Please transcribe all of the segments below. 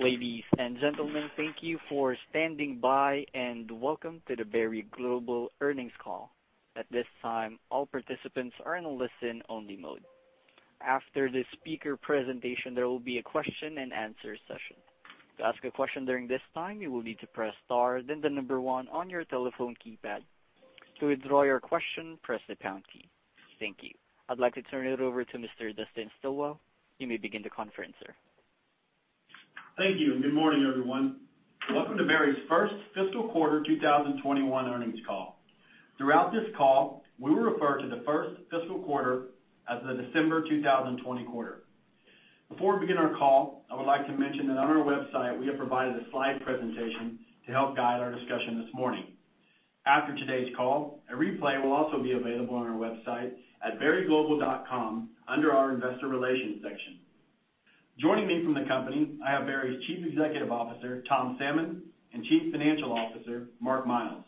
Ladies and gentlemen, thank you for standing by and welcome to the Berry Global earnings call. At this time, all participants are in a listen-only mode. After the speaker presentation, there will be a question-and-answer session. To ask a question during this time, you will need to press star, then the number one on your telephone keypad. To withdraw your question, press the pound key. Thank you. I'd like to turn it over to Mr. Dustin Stilwell. You may begin the conference, sir. Thank you. Good morning, everyone. Welcome to Berry's first fiscal quarter 2021 earnings call. Throughout this call, we will refer to the first fiscal quarter as the December 2020 quarter. Before we begin our call, I would like to mention that on our website, we have provided a slide presentation to help guide our discussion this morning. After today's call, a replay will also be available on our website at berryglobal.com under our investor relations section. Joining me from the company, I have Berry's Chief Executive Officer, Tom Salmon, and Chief Financial Officer, Mark Miles.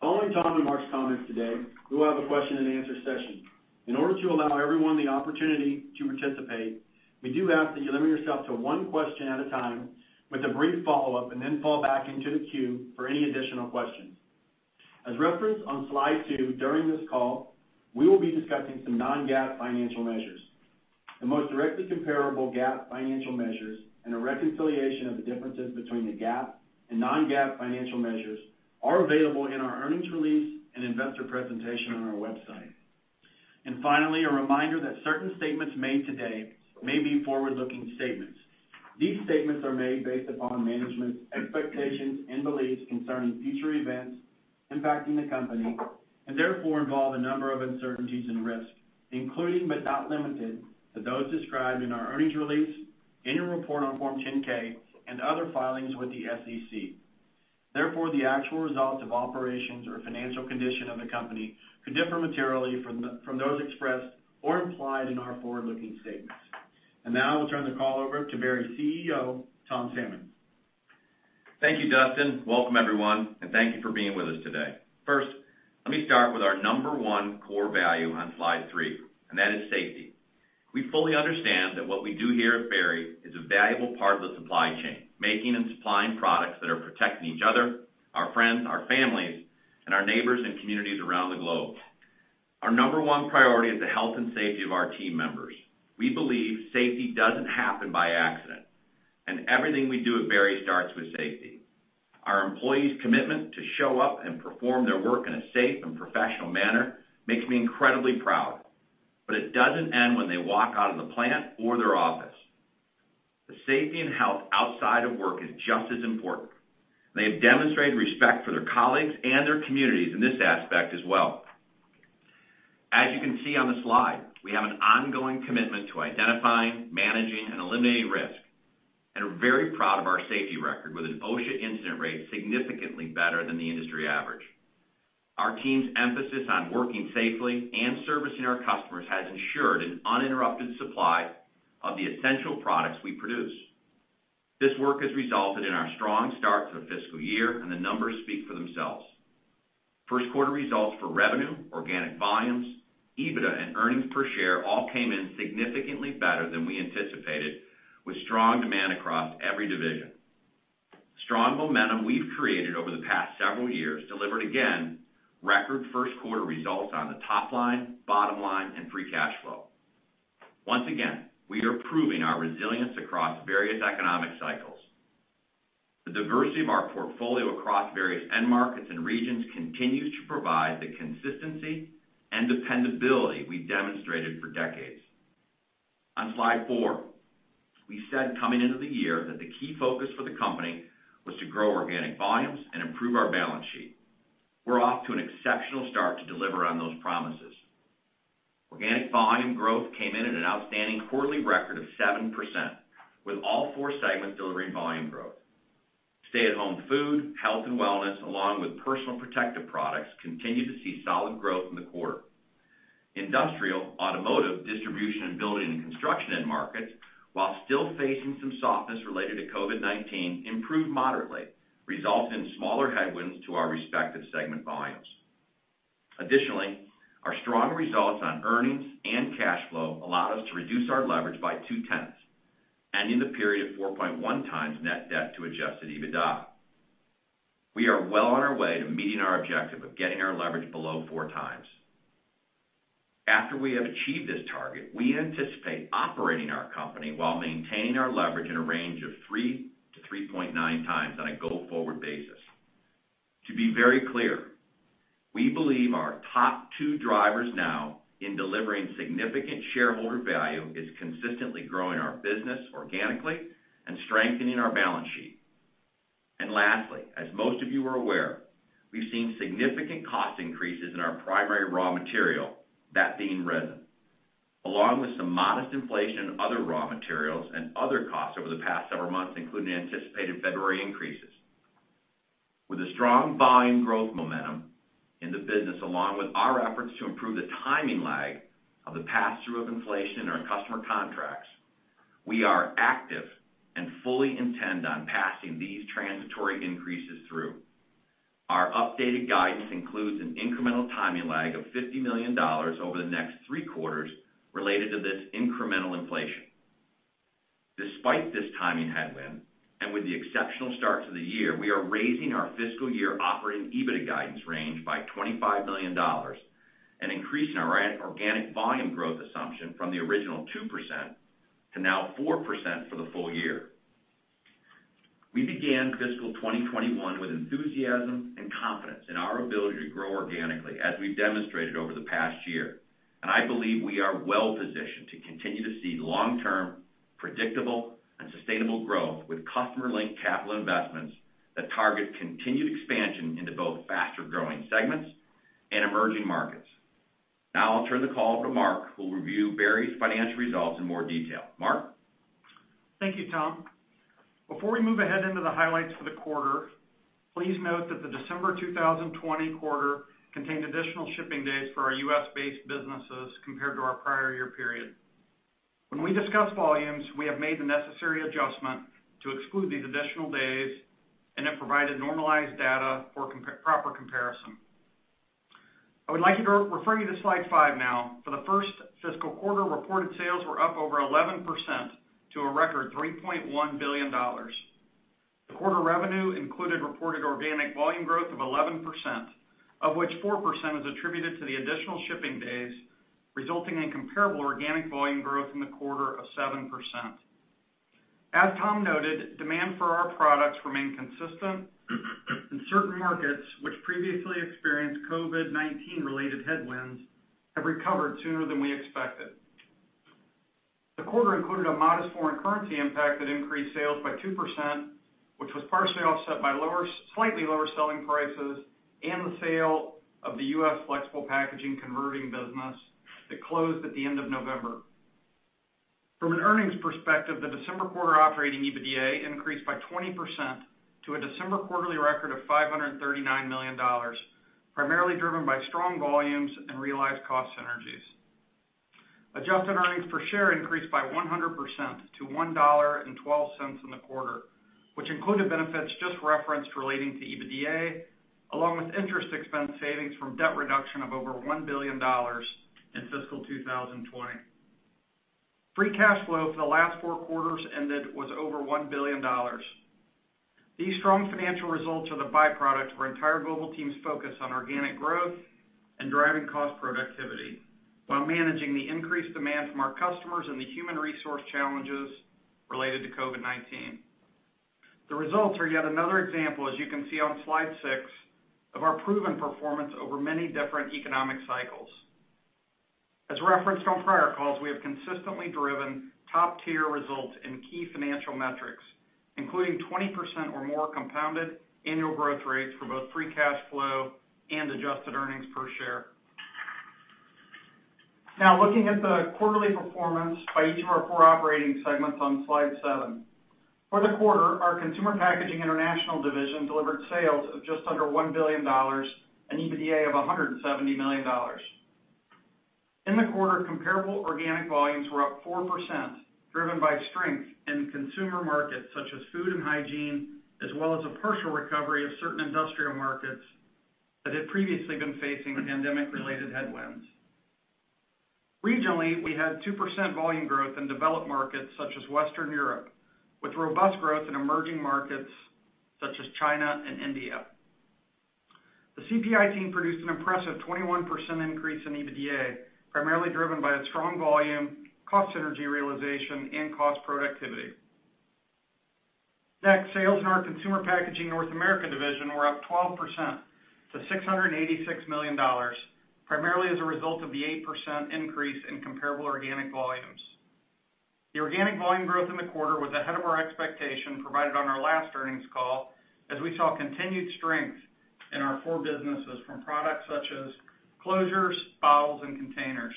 Following Tom and Mark's comments today, we will have a question-and-answer session. In order to allow everyone the opportunity to participate, we do ask that you limit yourself to one question at a time with a brief follow-up, and then fall back into the queue for any additional questions. As referenced on slide two, during this call, we will be discussing some non-GAAP financial measures. The most directly comparable GAAP financial measures and a reconciliation of the differences between the GAAP and non-GAAP financial measures are available in our earnings release and investor presentation on our website. Finally, a reminder that certain statements made today may be forward-looking statements. These statements are made based upon management's expectations and beliefs concerning future events impacting the company, and therefore involve a number of uncertainties and risks, including, but not limited to those described in our earnings release, annual report on Form 10-K, and other filings with the SEC. Therefore, the actual results of operations or financial condition of the company could differ materially from those expressed or implied in our forward-looking statements. Now I will turn the call over to Berry's CEO, Tom Salmon. Thank you, Dustin. Welcome, everyone, and thank you for being with us today. Let me start with our number one core value on slide three. That is safety. We fully understand that what we do here at Berry is a valuable part of the supply chain, making and supplying products that are protecting each other, our friends, our families, and our neighbors and communities around the globe. Our number one priority is the health and safety of our team members. We believe safety doesn't happen by accident. Everything we do at Berry starts with safety. Our employees' commitment to show up and perform their work in a safe and professional manner makes me incredibly proud. It doesn't end when they walk out of the plant or their office. The safety and health outside of work is just as important, and they have demonstrated respect for their colleagues and their communities in this aspect as well. As you can see on the slide, we have an ongoing commitment to identifying, managing, and eliminating risk, and we're very proud of our safety record with an OSHA incident rate significantly better than the industry average. Our team's emphasis on working safely and servicing our customers has ensured an uninterrupted supply of the essential products we produce. This work has resulted in our strong start to the fiscal year, and the numbers speak for themselves. First quarter results for revenue, organic volumes, EBITDA, and earnings per share all came in significantly better than we anticipated with strong demand across every division. Strong momentum we've created over the past several years delivered again, record first quarter results on the top line, bottom line, and free cash flow. Once again, we are proving our resilience across various economic cycles. The diversity of our portfolio across various end markets and regions continues to provide the consistency and dependability we demonstrated for decades. On slide four, we said coming into the year that the key focus for the company was to grow organic volumes and improve our balance sheet. We're off to an exceptional start to deliver on those promises. Organic volume growth came in at an outstanding quarterly record of 7%, with all four segments delivering volume growth. Stay-at-home food, health and wellness, along with personal protective products, continued to see solid growth in the quarter. Industrial, automotive, distribution, and building and construction end markets, while still facing some softness related to COVID-19, improved moderately, resulting in smaller headwinds to our respective segment volumes. Additionally, our strong results on earnings and cash flow allowed us to reduce our leverage by 0.2 times, ending the period of 4.1 times net debt to adjusted EBITDA. We are well on our way to meeting our objective of getting our leverage below four times. After we have achieved this target, we anticipate operating our company while maintaining our leverage in a range of three to three point nine times on a go-forward basis. To be very clear, we believe our top two drivers now in delivering significant shareholder value is consistently growing our business organically and strengthening our balance sheet. Lastly, as most of you are aware, we've seen significant cost increases in our primary raw material, that being resin, along with some modest inflation in other raw materials and other costs over the past several months, including anticipated February increases. With the strong volume growth momentum in the business, along with our efforts to improve the timing lag of the pass-through of inflation in our customer contracts, we are active and fully intend on passing these transitory increases through. Our updated guidance includes an incremental timing lag of $50 million over the next three quarters related to this incremental inflation. Despite this timing headwind, and with the exceptional starts of the year, we are raising our fiscal year operating EBITDA guidance range by $25 million, and increasing our organic volume growth assumption from the original 2% to now 4% for the full year. We began fiscal 2021 with enthusiasm and confidence in our ability to grow organically, as we've demonstrated over the past year, and I believe we are well-positioned to continue to see long-term, predictable, and sustainable growth with customer-linked capital investments that target continued expansion into both faster-growing segments and emerging markets. I'll turn the call to Mark, who will review Berry's financial results in more detail. Mark? Thank you, Tom. Before we move ahead into the highlights for the quarter, please note that the December 2020 quarter contained additional shipping days for our U.S.-based businesses compared to our prior year period. When we discuss volumes, we have made the necessary adjustment to exclude these additional days and have provided normalized data for proper comparison. I would like to refer you to slide five now. For the first fiscal quarter, reported sales were up over 11% to a record $3.1 billion. The quarter revenue included reported organic volume growth of 11%, of which 4% is attributed to the additional shipping days, resulting in comparable organic volume growth in the quarter of 7%. As Tom noted, demand for our products remained consistent in certain markets which previously experienced COVID-19-related headwinds, have recovered sooner than we expected. The quarter included a modest foreign currency impact that increased sales by 2%, which was partially offset by slightly lower selling prices and the sale of the U.S. flexible packaging converting business that closed at the end of November. From an earnings perspective, the December quarter operating EBITDA increased by 20% to a December quarterly record of $539 million, primarily driven by strong volumes and realized cost synergies. Adjusted earnings per share increased by 100% to $1.12 in the quarter, which included benefits just referenced relating to EBITDA, along with interest expense savings from debt reduction of over $1 billion in fiscal 2020. Free cash flow for the last four quarters ended was over $1 billion. These strong financial results are the byproduct of our entire global team's focus on organic growth and driving cost productivity while managing the increased demand from our customers and the human resource challenges related to COVID-19. The results are yet another example, as you can see on slide six, of our proven performance over many different economic cycles. As referenced on prior calls, we have consistently driven top-tier results in key financial metrics, including 20% or more compounded annual growth rates for both free cash flow and adjusted earnings per share. Looking at the quarterly performance by each of our four operating segments on slide seven. For the quarter, our Consumer Packaging International division delivered sales of just under $1 billion, and EBITDA of $170 million. In the quarter, comparable organic volumes were up 4%, driven by strength in consumer markets such as food and hygiene, as well as a partial recovery of certain industrial markets that had previously been facing pandemic-related headwinds. Regionally, we had 2% volume growth in developed markets such as Western Europe, with robust growth in emerging markets such as China and India. The CPI team produced an impressive 21% increase in EBITDA, primarily driven by a strong volume, cost synergy realization, and cost productivity. Next, sales in our Consumer Packaging North America division were up 12% to $686 million, primarily as a result of the 8% increase in comparable organic volumes. The organic volume growth in the quarter was ahead of our expectation provided on our last earnings call, as we saw continued strength in our core businesses from products such as closures, bottles, and containers.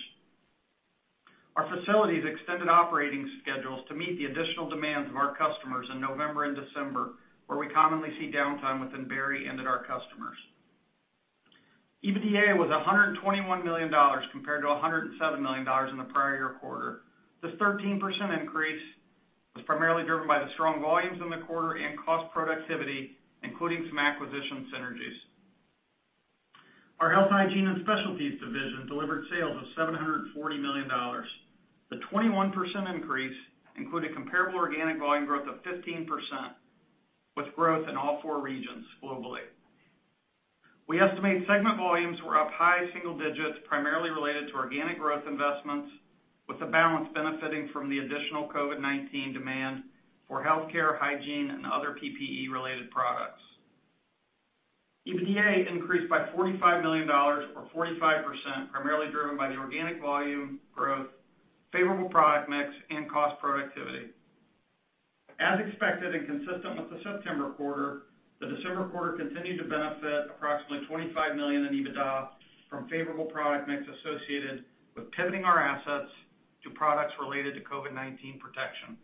Our facilities extended operating schedules to meet the additional demands of our customers in November and December, where we commonly see downtime within Berry and at our customers. EBITDA was $121 million compared to $107 million in the prior year quarter. This 13% increase was primarily driven by the strong volumes in the quarter and cost productivity, including some acquisition synergies. Our Health, Hygiene & Specialties division delivered sales of $740 million. The 21% increase included comparable organic volume growth of 15%, with growth in all four regions globally. We estimate segment volumes were up high single digits, primarily related to organic growth investments, with the balance benefiting from the additional COVID-19 demand for healthcare, hygiene, and other PPE-related products. EBITDA increased by $45 million or 45%, primarily driven by the organic volume growth, favorable product mix, and cost productivity. As expected and consistent with the September quarter, the December quarter continued to benefit approximately $25 million in EBITDA from favorable product mix associated with pivoting our assets to products related to COVID-19 protection.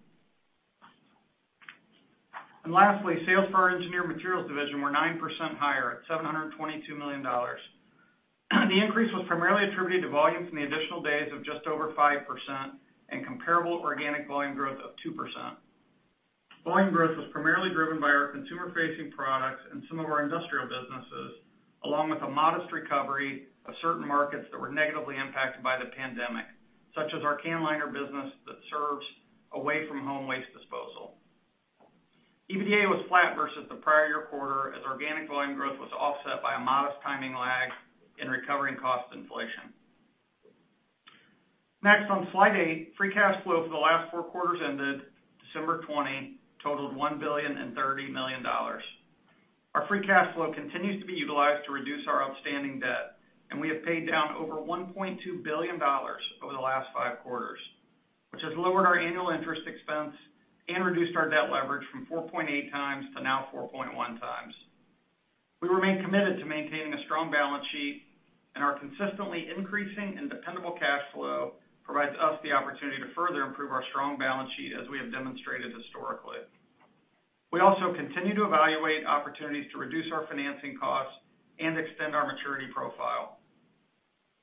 Lastly, sales for our Engineered Materials division were 9% higher at $722 million. The increase was primarily attributed to volumes in the additional days of just over 5% and comparable organic volume growth of 2%. Volume growth was primarily driven by our consumer-facing products and some of our industrial businesses, along with a modest recovery of certain markets that were negatively impacted by the pandemic, such as our can liner business that serves away-from-home waste disposal. EBITDA was flat versus the prior year quarter, as organic volume growth was offset by a modest timing lag in recovering cost inflation. Next, on slide eight, free cash flow for the last four quarters ended December 2020 totaled $1 billion and $30 million. Our free cash flow continues to be utilized to reduce our outstanding debt, and we have paid down over $1.2 billion over the last five quarters, which has lowered our annual interest expense and reduced our debt leverage from 4.8 times to now 4.1 times. We remain committed to maintaining a strong balance sheet, and our consistently increasing and dependable cash flow provides us the opportunity to further improve our strong balance sheet as we have demonstrated historically. We also continue to evaluate opportunities to reduce our financing costs and extend our maturity profile.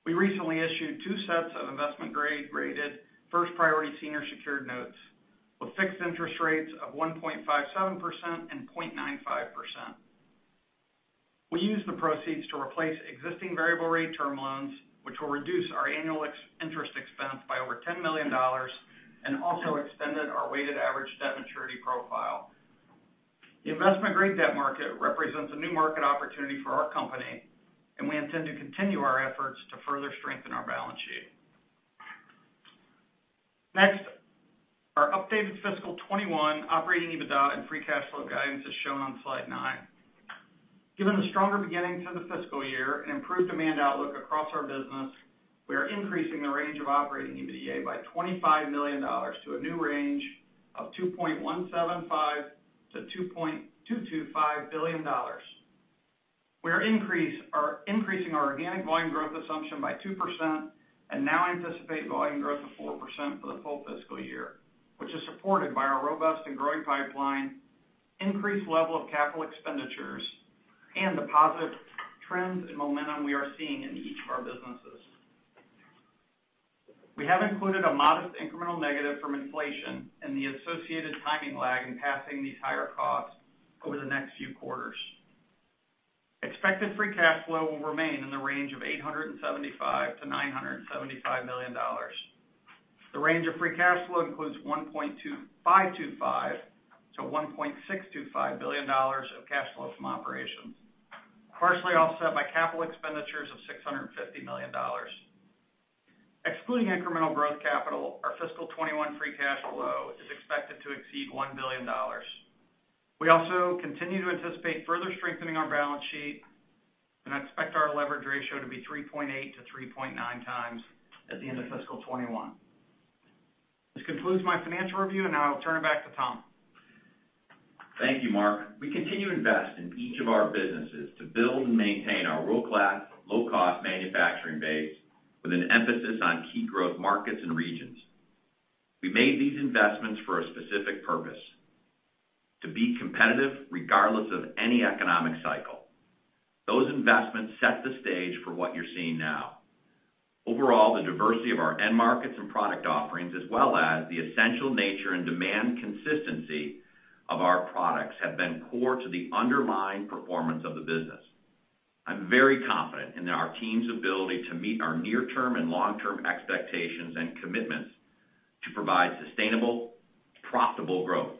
We recently issued two sets of investment grade rated first priority senior secured notes with fixed interest rates of 1.57% and 0.95%. We used the proceeds to replace existing variable rate term loans, which will reduce our annual interest expense by over $10 million, and also extended our weighted average debt maturity profile. The investment-grade debt market represents a new market opportunity for our company, and we intend to continue our efforts to further strengthen our balance sheet. Our updated fiscal 2021 operating EBITDA and free cash flow guidance is shown on slide nine. Given the stronger beginning to the fiscal year and improved demand outlook across our business, we are increasing the range of operating EBITDA by $25 million to a new range of $2.175 billion-$2.225 billion. We're increasing our organic volume growth assumption by 2% and now anticipate volume growth of 4% for the full fiscal year, which is supported by our robust and growing pipeline, increased level of capital expenditures, and the positive trends and momentum we are seeing in each of our businesses. We have included a modest incremental negative from inflation and the associated timing lag in passing these higher costs over the next few quarters. Expected free cash flow will remain in the range of $875 million-$975 million. The range of free cash flow includes $1.525 billion-$1.625 billion of cash flow from operations, partially offset by capital expenditures of $650 million. Excluding incremental growth capital, our fiscal 2021 free cash flow is expected to exceed $1 billion. We also continue to anticipate further strengthening our balance sheet and expect our leverage ratio to be 3.8-3.9 times at the end of fiscal 2021. This concludes my financial review, now I'll turn it back to Tom. Thank you, Mark. We continue to invest in each of our businesses to build and maintain our world-class, low-cost manufacturing base with an emphasis on key growth markets and regions. We made these investments for a specific purpose: to be competitive regardless of any economic cycle. Those investments set the stage for what you're seeing now. Overall, the diversity of our end markets and product offerings, as well as the essential nature and demand consistency of our products, have been core to the underlying performance of the business. I'm very confident in our team's ability to meet our near-term and long-term expectations and commitments to provide sustainable, profitable growth.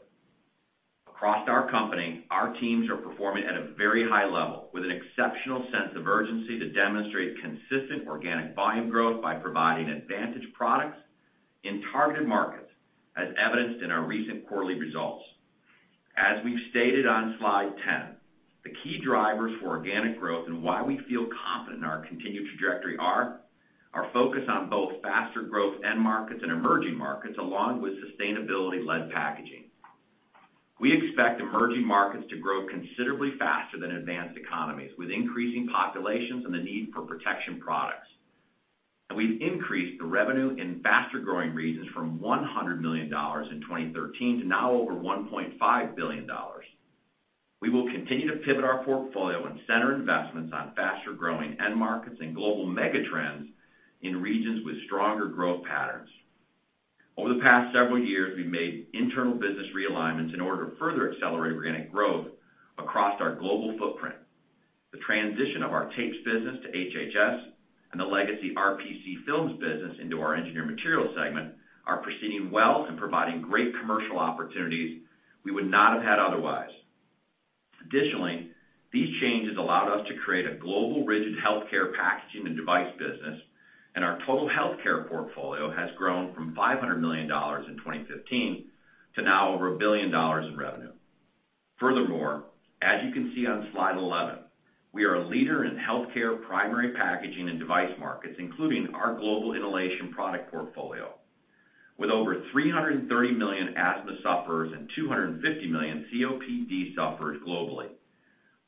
Across our company, our teams are performing at a very high level with an exceptional sense of urgency to demonstrate consistent organic volume growth by providing advantage products in targeted markets, as evidenced in our recent quarterly results. As we've stated on slide 10, the key drivers for organic growth and why we feel confident in our continued trajectory are our focus on both faster growth end markets and emerging markets, along with sustainability-led packaging. We expect emerging markets to grow considerably faster than advanced economies, with increasing populations and the need for protection products. We've increased the revenue in faster-growing regions from $100 million in 2013 to now over $1.5 billion. We will continue to pivot our portfolio and center investments on faster-growing end markets and global mega trends in regions with stronger growth patterns. Over the past several years, we've made internal business realignments in order to further accelerate organic growth across our global footprint. The transition of our tapes business to HH&S and the legacy RPC Films business into our Engineered Materials segment are proceeding well and providing great commercial opportunities we would not have had otherwise. These changes allowed us to create a global rigid healthcare packaging and device business, and our total healthcare portfolio has grown from $500 million in 2015 to now over $1 billion in revenue. As you can see on slide 11, we are a leader in healthcare primary packaging and device markets, including our global inhalation product portfolio. With over 330 million asthma sufferers and 250 million COPD sufferers globally,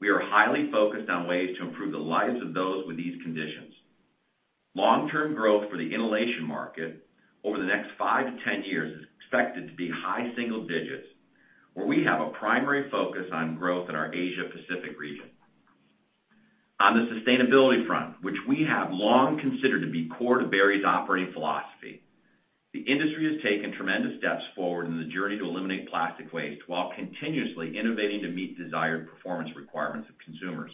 we are highly focused on ways to improve the lives of those with these conditions. Long-term growth for the inhalation market over the next 5-10 years is expected to be high single digits, where we have a primary focus on growth in our Asia Pacific region. On the sustainability front, which we have long considered to be core to Berry's operating philosophy, the industry has taken tremendous steps forward in the journey to eliminate plastic waste while continuously innovating to meet desired performance requirements of consumers.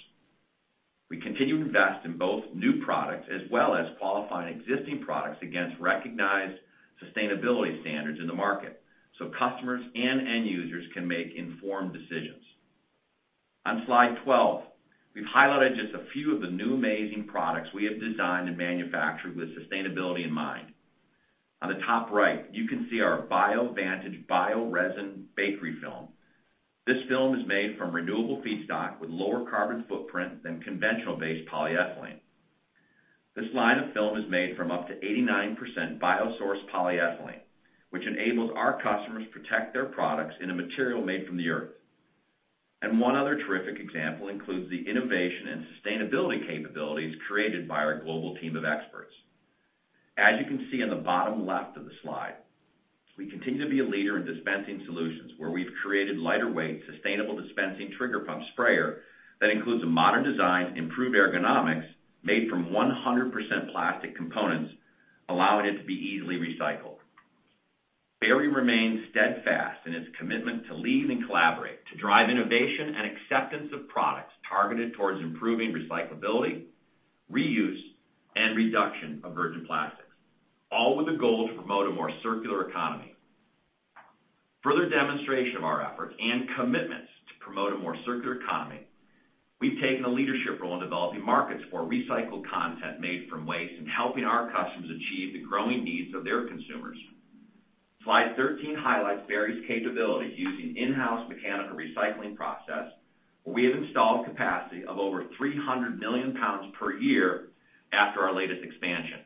We continue to invest in both new products as well as qualifying existing products against recognized sustainability standards in the market so customers and end users can make informed decisions. On slide 12, we've highlighted just a few of the new amazing products we have designed and manufactured with sustainability in mind. On the top right, you can see our BioVantage bio-resin bakery film. This film is made from renewable feedstock with lower carbon footprint than conventional-based polyethylene. This line of film is made from up to 89% bio-sourced polyethylene, which enables our customers to protect their products in a material made from the Earth. One other terrific example includes the innovation and sustainability capabilities created by our global team of experts. As you can see on the bottom left of the slide, we continue to be a leader in dispensing solutions, where we've created lighter weight, sustainable dispensing trigger pump sprayer that includes a modern design, improved ergonomics, made from 100% plastic components, allowing it to be easily recycled. Berry remains steadfast in its commitment to lead and collaborate to drive innovation and acceptance of products targeted towards improving recyclability, reuse, and reduction of virgin plastics, all with the goal to promote a more circular economy. Further demonstration of our efforts and commitments to promote a more circular economy, we've taken a leadership role in developing markets for recycled content made from waste and helping our customers achieve the growing needs of their consumers. Slide 13 highlights Berry's capabilities using in-house mechanical recycling process, where we have installed capacity of over 300 million pounds per year after our latest expansion.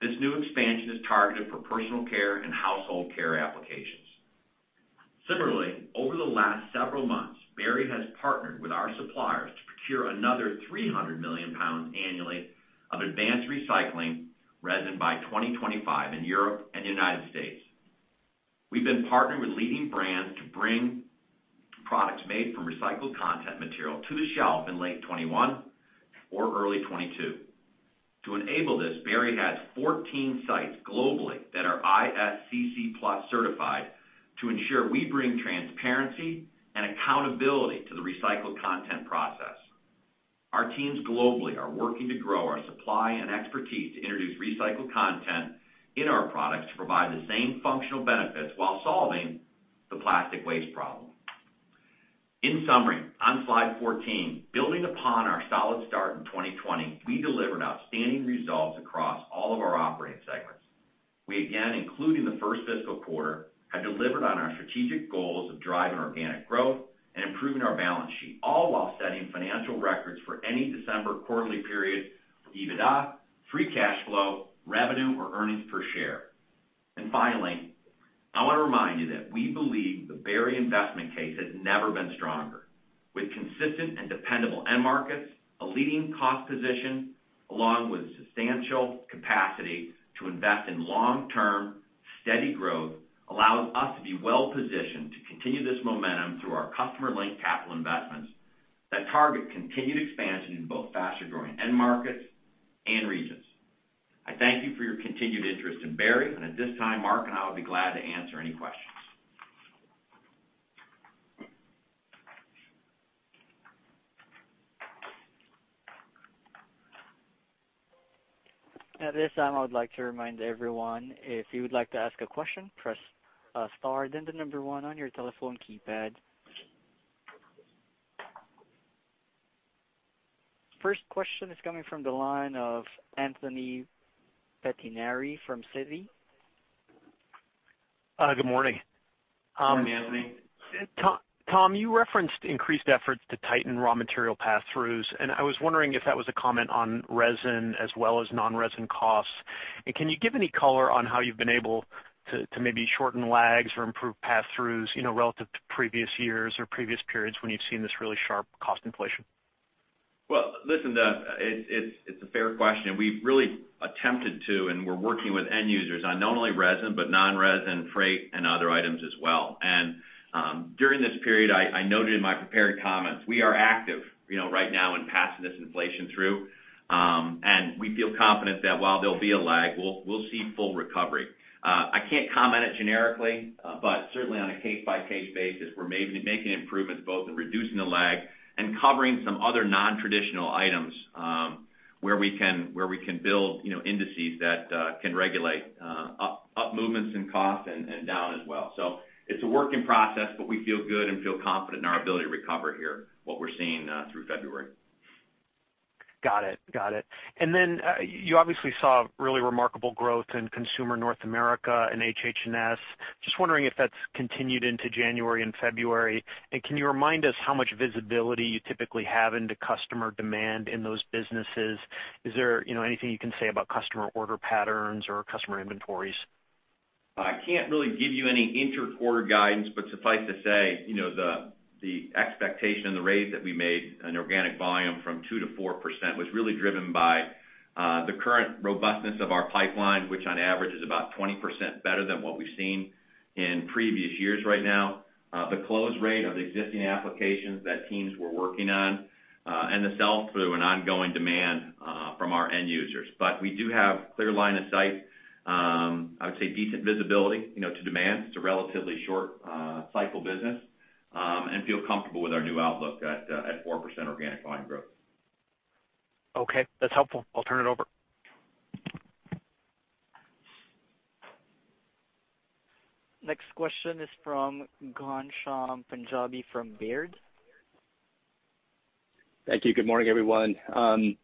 This new expansion is targeted for personal care and household care applications. Similarly, over the last several months, Berry has partnered with our suppliers to procure another 300 million pounds annually of advanced recycling resin by 2025 in Europe and the United States. We've been partnering with leading brands to bring products made from recycled content material to the shelf in late 2021 or early 2022. To enable this, Berry has 14 sites globally that are ISCC PLUS certified to ensure we bring transparency and accountability to the recycled content process. Our teams globally are working to grow our supply and expertise to introduce recycled content in our products to provide the same functional benefits while solving the plastic waste problem. In summary, on slide 14, building upon our solid start in 2020, we delivered outstanding results across all of our operating segments. We again, including the first fiscal quarter, have delivered on our strategic goals of driving organic growth and improving our balance sheet, all while setting financial records for any December quarterly period for EBITDA, free cash flow, revenue, or earnings per share. Finally, I want to remind you that we believe the Berry investment case has never been stronger. With consistent and dependable end markets, a leading cost position, along with substantial capacity to invest in long-term, steady growth allows us to be well positioned to continue this momentum through our customer link capital investments that target continued expansion in both faster-growing end markets and regions. I thank you for your continued interest in Berry, and at this time, Mark and I will be glad to answer any questions. At this time, I would like to remind everyone, if you would like to ask a question, press star then the number one on your telephone keypad. First question is coming from the line of Anthony Pettinari from Citi. Good morning. Good morning, Anthony. Tom, you referenced increased efforts to tighten raw material passthroughs, and I was wondering if that was a comment on resin as well as non-resin costs. Can you give any color on how you've been able to maybe shorten lags or improve passthroughs relative to previous years or previous periods when you've seen this really sharp cost inflation? Listen, it's a fair question, we've really attempted to, and we're working with end users on not only resin, but non-resin, freight, and other items as well. During this period, I noted in my prepared comments, we are active right now in passing this inflation through. We feel confident that while there'll be a lag, we'll see full recovery. I can't comment it generically. Certainly on a case-by-case basis, we're making improvements both in reducing the lag and covering some other non-traditional items, where we can build indices that can regulate up movements in cost and down as well. It's a work in process, but we feel good and feel confident in our ability to recover here, what we're seeing through February. You obviously saw really remarkable growth in Consumer North America and HH&S. Just wondering if that's continued into January and February. Can you remind us how much visibility you typically have into customer demand in those businesses? Is there anything you can say about customer order patterns or customer inventories? I can't really give you any inter-quarter guidance, suffice to say, the expectation and the raise that we made in organic volume from 2%-4% was really driven by the current robustness of our pipeline, which on average is about 20% better than what we've seen in previous years right now. The close rate of the existing applications that teams were working on, and the sell-through and ongoing demand from our end users. We do have clear line of sight, I would say decent visibility, to demand. It's a relatively short cycle business, and feel comfortable with our new outlook at 4% organic volume growth. Okay. That is helpful. I will turn it over. Next question is from Ghansham Panjabi from Baird. Thank you. Good morning, everyone. I'm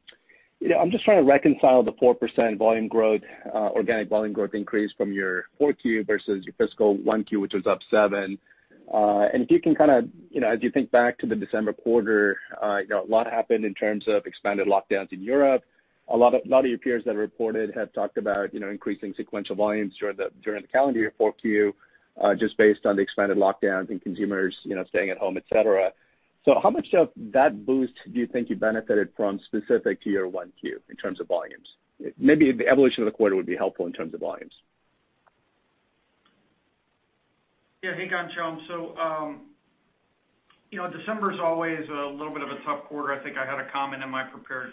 just trying to reconcile the 4% volume growth, organic volume growth increase from your 4Q versus your fiscal 1Q, which was up 7%. If you can kind of, as you think back to the December quarter, a lot happened in terms of expanded lockdowns in Europe. A lot of your peers that reported had talked about increasing sequential volumes during the calendar year 4Q, just based on the expanded lockdowns and consumers staying at home, et cetera. How much of that boost do you think you benefited from specific to your 1Q in terms of volumes? Maybe the evolution of the quarter would be helpful in terms of volumes. Yeah. Hey, Ghansham. December's always a little bit of a tough quarter. I think I had a comment in my prepared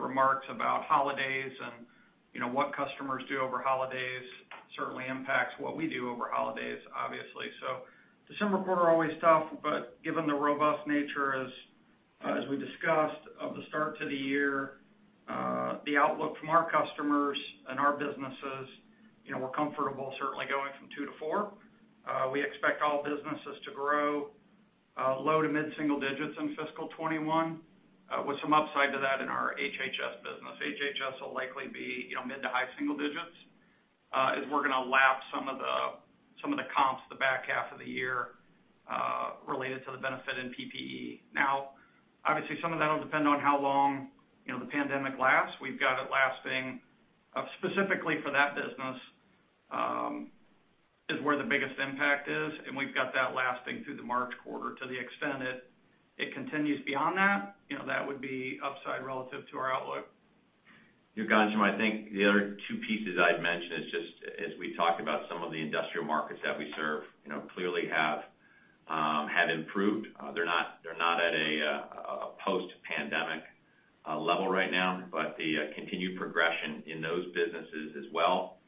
remarks about holidays and what customers do over holidays certainly impacts what we do over holidays, obviously. December quarter, always tough, but given the robust nature, as we discussed of the start to the year, the outlook from our customers and our businesses, we're comfortable certainly going from two to four. We expect all businesses to grow low to mid-single digits in fiscal 2021, with some upside to that in our HH&S business. HH&S will likely be mid to high single digits, as we're gonna lap some of the comps the back half of the year, related to the benefit in PPE. Obviously, some of that'll depend on how long the pandemic lasts. We've got it lasting, specifically for that business, is where the biggest impact is, and we've got that lasting through the March quarter. To the extent it continues beyond that would be upside relative to our outlook. Ghansham, I think the other two pieces I'd mention is just as we talk about some of the industrial markets that we serve, clearly have improved. They're not at a post-pandemic level right now, the continued progression in those businesses as well,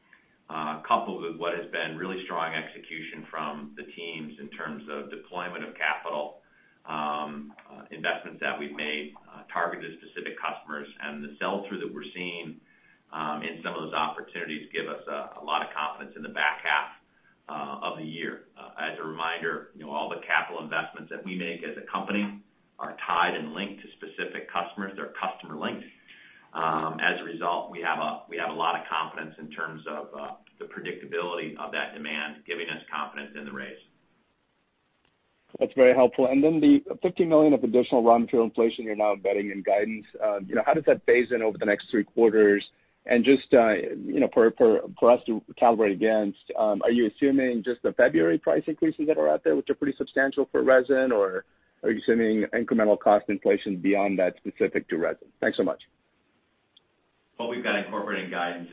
coupled with what has been really strong execution from the teams in terms of deployment of capital, investments that we've made, targeted specific customers, and the sell-through that we're seeing in some of those opportunities give us a lot of confidence in the back half of the year. As a reminder, all the capital investments that we make as a company are tied and linked to specific customers. They're customer linked. As a result, we have a lot of confidence in terms of the predictability of that demand giving us confidence in the raise. That's very helpful. The $50 million of additional raw material inflation you're now embedding in guidance, how does that phase in over the next three quarters? Just for us to calibrate against, are you assuming just the February price increases that are out there, which are pretty substantial for resin, or are you assuming incremental cost inflation beyond that specific to resin? Thanks so much. What we've got incorporating guidance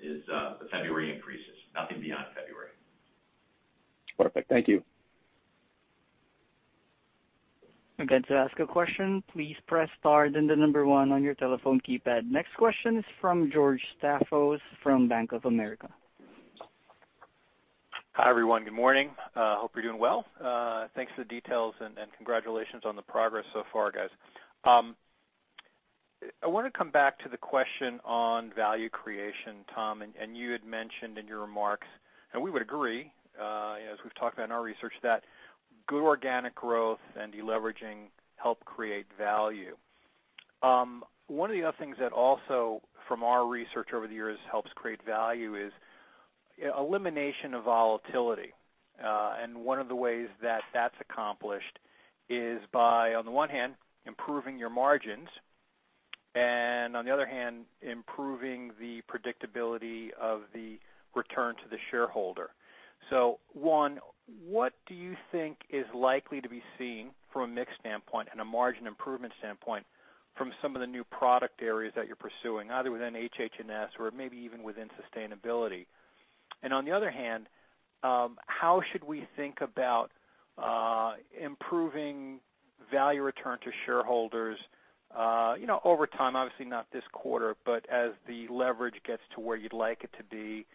is the February increases. Nothing beyond February. Perfect. Thank you. Next question is from George Staphos from Bank of America. Hi, everyone. Good morning. Hope you're doing well. Thanks for the details and congratulations on the progress so far, guys. I want to come back to the question on value creation, Tom. You had mentioned in your remarks, and we would agree, as we've talked about in our research, that good organic growth and de-leveraging help create value. One of the other things that also, from our research over the years, helps create value is elimination of volatility. One of the ways that that's accomplished is by, on the one hand, improving your margins and on the other hand, improving the predictability of the return to the shareholder. One, what do you think is likely to be seen from a mix standpoint and a margin improvement standpoint from some of the new product areas that you're pursuing, either within HH&S or maybe even within sustainability? On the other hand, how should we think about improving value return to shareholders over time, obviously not this quarter, but as the leverage gets to where you'd like it to be,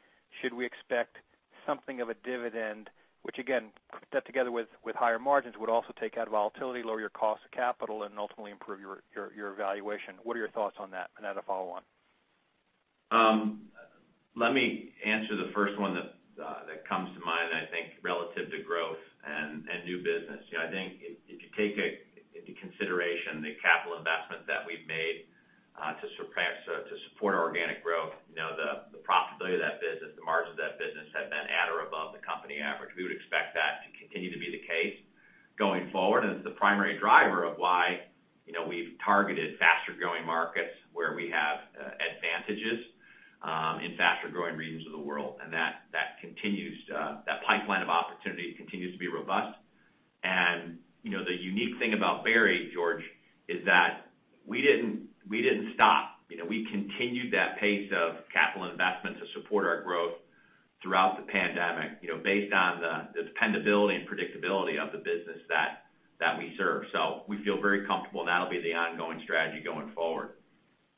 should we expect something of a dividend, which again, put that together with higher margins, would also take out volatility, lower your cost of capital, and ultimately improve your valuation. What are your thoughts on that? I have a follow-on. Let me answer the first one that comes to mind, and I think relative to growth and new business. I think if you take into consideration the capital investment that we've made to support our organic growth, the profitability of that business, the margins of that business have been above average. We would expect that to continue to be the case going forward, and it's the primary driver of why we've targeted faster-growing markets where we have advantages in faster-growing regions of the world. That pipeline of opportunity continues to be robust. The unique thing about Berry, George, is that we didn't stop. We continued that pace of capital investment to support our growth throughout the pandemic, based on the dependability and predictability of the business that we serve. We feel very comfortable, and that'll be the ongoing strategy going forward.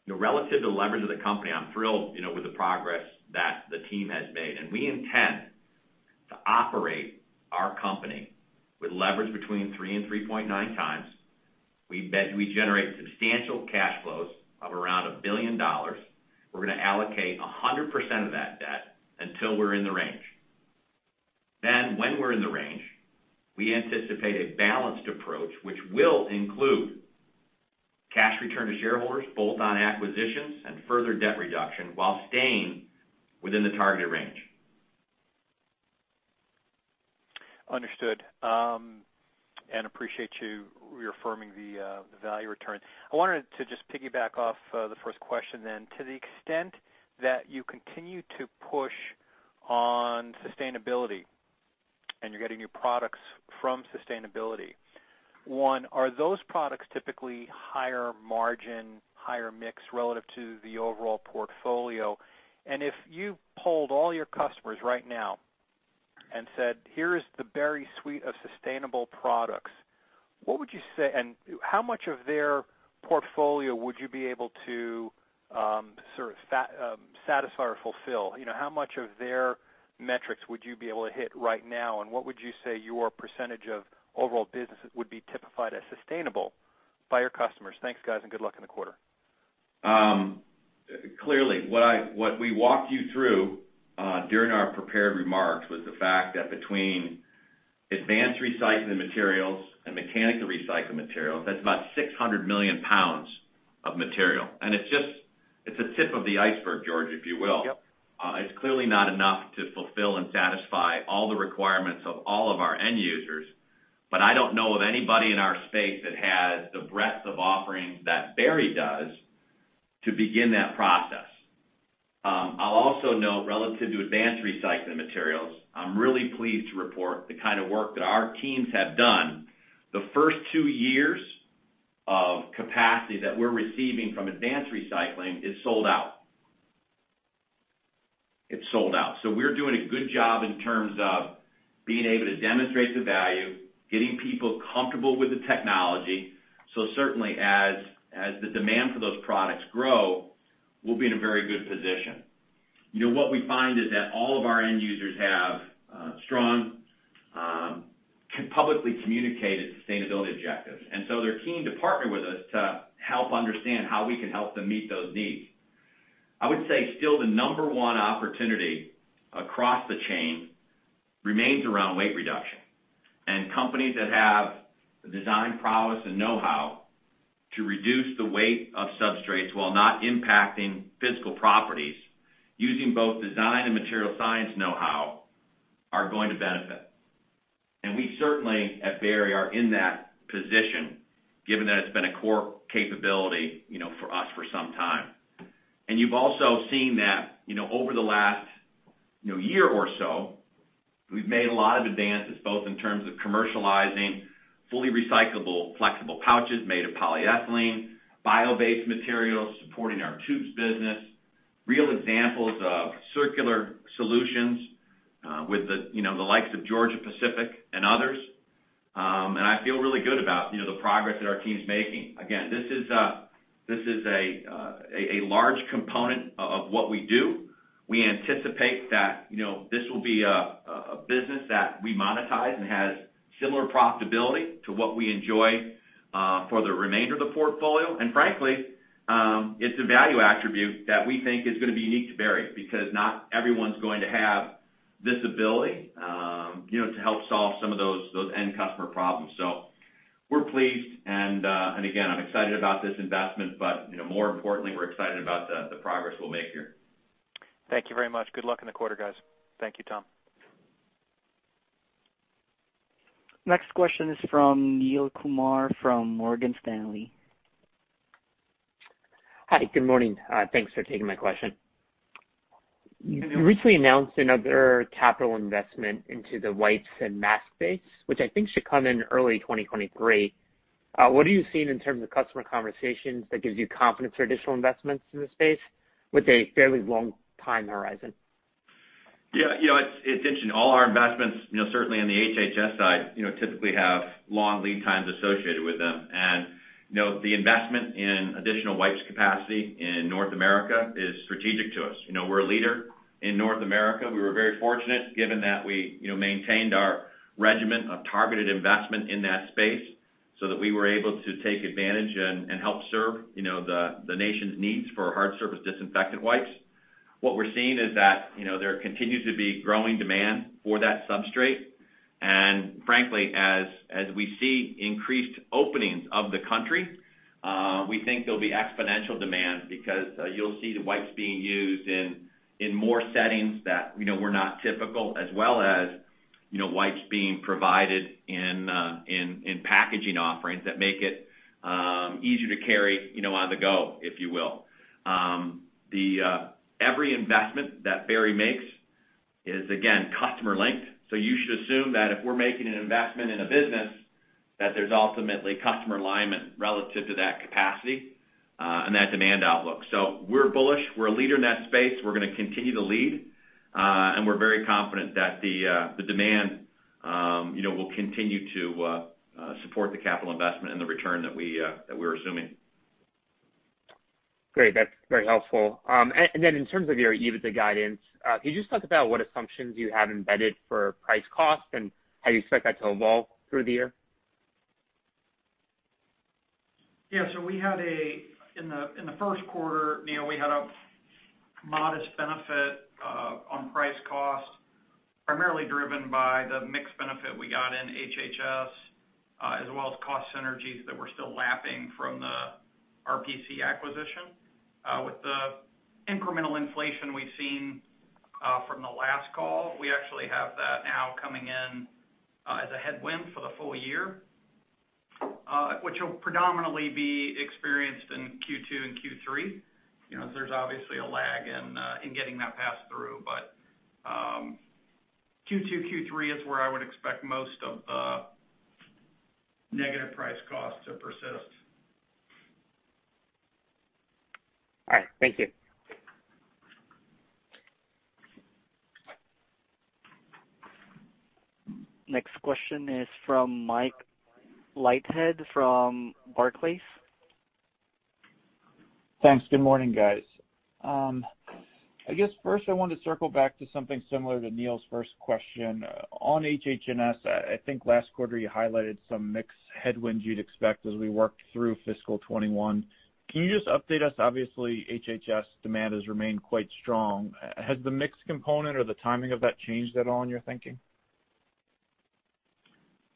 Relative to the leverage of the company, I'm thrilled with the progress that the team has made, and we intend to operate our company with leverage between 3 and 3.9 times. We generate substantial cash flows of around $1 billion. We're going to allocate 100% of that debt until we're in the range. When we're in the range, we anticipate a balanced approach, which will include cash return to shareholders, bolt-on acquisitions, and further debt reduction while staying within the targeted range. Understood. Appreciate you reaffirming the value return. I wanted to just piggyback off the first question. To the extent that you continue to push on sustainability, and you're getting new products from sustainability, one, are those products typically higher margin, higher mix relative to the overall portfolio? If you polled all your customers right now and said, Here is the Berry suite of sustainable products, how much of their portfolio would you be able to satisfy or fulfill? How much of their metrics would you be able to hit right now, and what would you say your percentage of overall business would be typified as sustainable by your customers? Thanks, guys, and good luck in the quarter. Clearly, what we walked you through during our prepared remarks was the fact that between advanced recycling materials and mechanical recycled materials, that's about 600 million pounds of material. It's a tip of the iceberg, George, if you will. Yep. It's clearly not enough to fulfill and satisfy all the requirements of all of our end users. I don't know of anybody in our space that has the breadth of offerings that Berry does to begin that process. I'll also note, relative to advanced recycling materials, I'm really pleased to report the kind of work that our teams have done. The first two years of capacity that we're receiving from advanced recycling is sold out. It's sold out. We're doing a good job in terms of being able to demonstrate the value, getting people comfortable with the technology. Certainly, as the demand for those products grow, we'll be in a very good position. What we find is that all of our end users have strong, publicly communicated sustainability objectives, and so they're keen to partner with us to help understand how we can help them meet those needs. I would say still the number one opportunity across the chain remains around weight reduction, and companies that have the design prowess and know-how to reduce the weight of substrates while not impacting physical properties using both design and material science know-how are going to benefit. We certainly, at Berry, are in that position, given that it's been a core capability for us for some time. You've also seen that over the last year or so, we've made a lot of advances, both in terms of commercializing fully recyclable, flexible pouches made of polyethylene, bio-based materials supporting our tubes business, real examples of circular solutions with the likes of Georgia-Pacific and others. I feel really good about the progress that our team's making. Again, this is a large component of what we do. We anticipate that this will be a business that we monetize and has similar profitability to what we enjoy for the remainder of the portfolio. Frankly, it's a value attribute that we think is going to be unique to Berry because not everyone's going to have this ability to help solve some of those end customer problems. We're pleased, and again, I'm excited about this investment, but more importantly, we're excited about the progress we'll make here. Thank you very much. Good luck in the quarter, guys. Thank you, Tom. Next question is from Neel Kumar from Morgan Stanley. Hi, good morning. Thanks for taking my question. You recently announced another capital investment into the wipes and masks space, which I think should come in early 2023. What are you seeing in terms of customer conversations that gives you confidence for additional investments in the space with a fairly long time horizon? Yeah. It's interesting. All our investments, certainly on the HH&S side, typically have long lead times associated with them. The investment in additional wipes capacity in North America is strategic to us. We're a leader in North America. We were very fortunate given that we maintained our regimen of targeted investment in that space so that we were able to take advantage and help serve the nation's needs for hard surface disinfectant wipes. What we're seeing is that there continues to be growing demand for that substrate. Frankly, as we see increased openings of the country, we think there'll be exponential demand because you'll see the wipes being used in more settings that were not typical, as well as wipes being provided in packaging offerings that make it easier to carry on the go, if you will. Every investment that Berry makes is, again, customer linked. You should assume that if we're making an investment in a business, that there's ultimately customer alignment relative to that capacity and that demand outlook. We're bullish. We're a leader in that space. We're going to continue to lead. We're very confident that the demand will continue to support the capital investment and the return that we're assuming. Great. That's very helpful. Then in terms of your EBITDA guidance, can you just talk about what assumptions you have embedded for price cost and how you expect that to evolve through the year? Yeah. In the first quarter, Neel, we had a modest benefit on price cost, primarily driven by the mix benefit we got in HH&S, as well as cost synergies that we're still lapping from the RPC acquisition. With the incremental inflation we've seen from the last call, we actually have that now coming in as a headwind for the full year, which will predominantly be experienced in Q2 and Q3. There's obviously a lag in getting that passed through, but Q2, Q3 is where I would expect most of the negative price cost to persist. All right. Thank you. Next question is from Mike Leithead from Barclays. Thanks. Good morning, guys. I guess first I wanted to circle back to something similar to Neel's first question. On HH&S, I think last quarter you highlighted some mix headwinds you'd expect as we worked through fiscal 2021. Can you just update us? Obviously, HH&S demand has remained quite strong. Has the mix component or the timing of that changed at all in your thinking?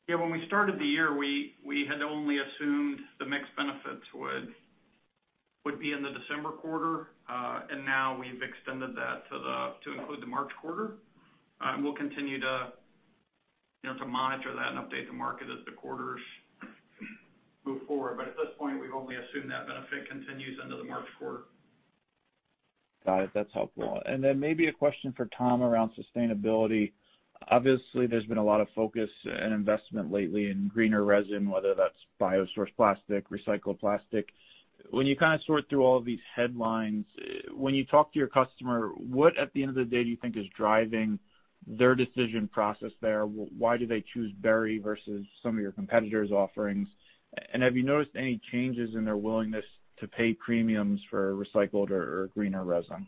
Yeah, when we started the year, we had only assumed the mix benefits would be in the December quarter. Now we've extended that to include the March quarter. We'll continue to monitor that and update the market as the quarters move forward. At this point, we've only assumed that benefit continues into the March quarter. Got it. That's helpful. Maybe a question for Tom around sustainability. Obviously, there's been a lot of focus and investment lately in greener resin, whether that's bio-sourced plastic, recycled plastic. When you kind of sort through all of these headlines, when you talk to your customer, what at the end of the day do you think is driving their decision process there? Why do they choose Berry versus some of your competitors' offerings? Have you noticed any changes in their willingness to pay premiums for recycled or greener resin?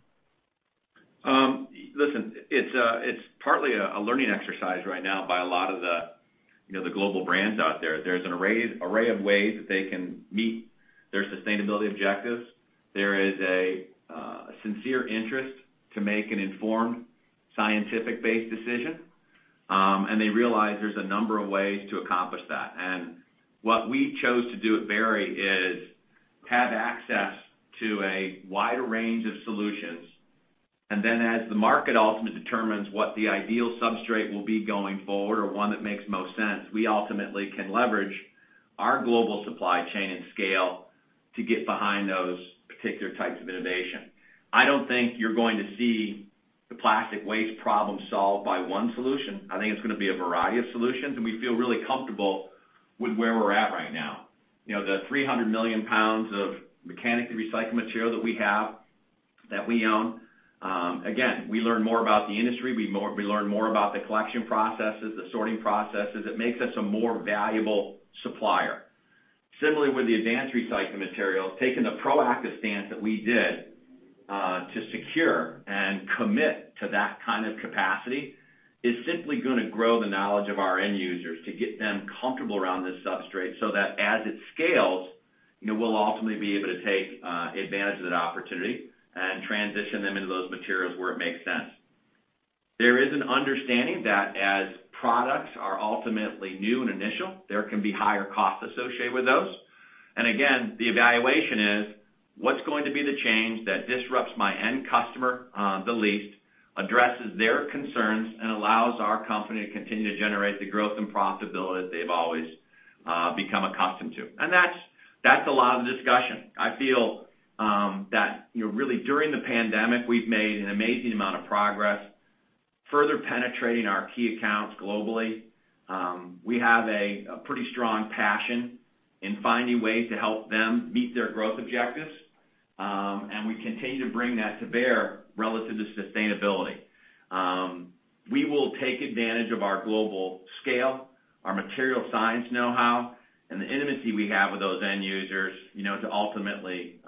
Listen, it's partly a learning exercise right now by a lot of the global brands out there. There's an array of ways that they can meet their sustainability objectives. There is a sincere interest to make an informed scientific-based decision. They realize there's a number of ways to accomplish that. What we chose to do at Berry is have access to a wider range of solutions, and then as the market ultimately determines what the ideal substrate will be going forward or one that makes most sense, we ultimately can leverage our global supply chain and scale to get behind those particular types of innovation. I don't think you're going to see the plastic waste problem solved by one solution. I think it's going to be a variety of solutions, and we feel really comfortable with where we're at right now. The 300 million pounds of mechanically recycled material that we have, that we own. We learn more about the industry, we learn more about the collection processes, the sorting processes. It makes us a more valuable supplier. Similarly, with the advanced recycling material, taking the proactive stance that we did to secure and commit to that kind of capacity is simply going to grow the knowledge of our end users to get them comfortable around this substrate so that as it scales, we'll ultimately be able to take advantage of that opportunity and transition them into those materials where it makes sense. There is an understanding that as products are ultimately new and initial, there can be higher costs associated with those. Again, the evaluation is what's going to be the change that disrupts my end customer the least, addresses their concerns, and allows our company to continue to generate the growth and profitability they've always become accustomed to? That's a lot of the discussion. I feel that really during the pandemic, we've made an amazing amount of progress, further penetrating our key accounts globally. We have a pretty strong passion in finding ways to help them meet their growth objectives. We continue to bring that to bear relative to sustainability. We will take advantage of our global scale, our material science know-how, and the intimacy we have with those end users to ultimately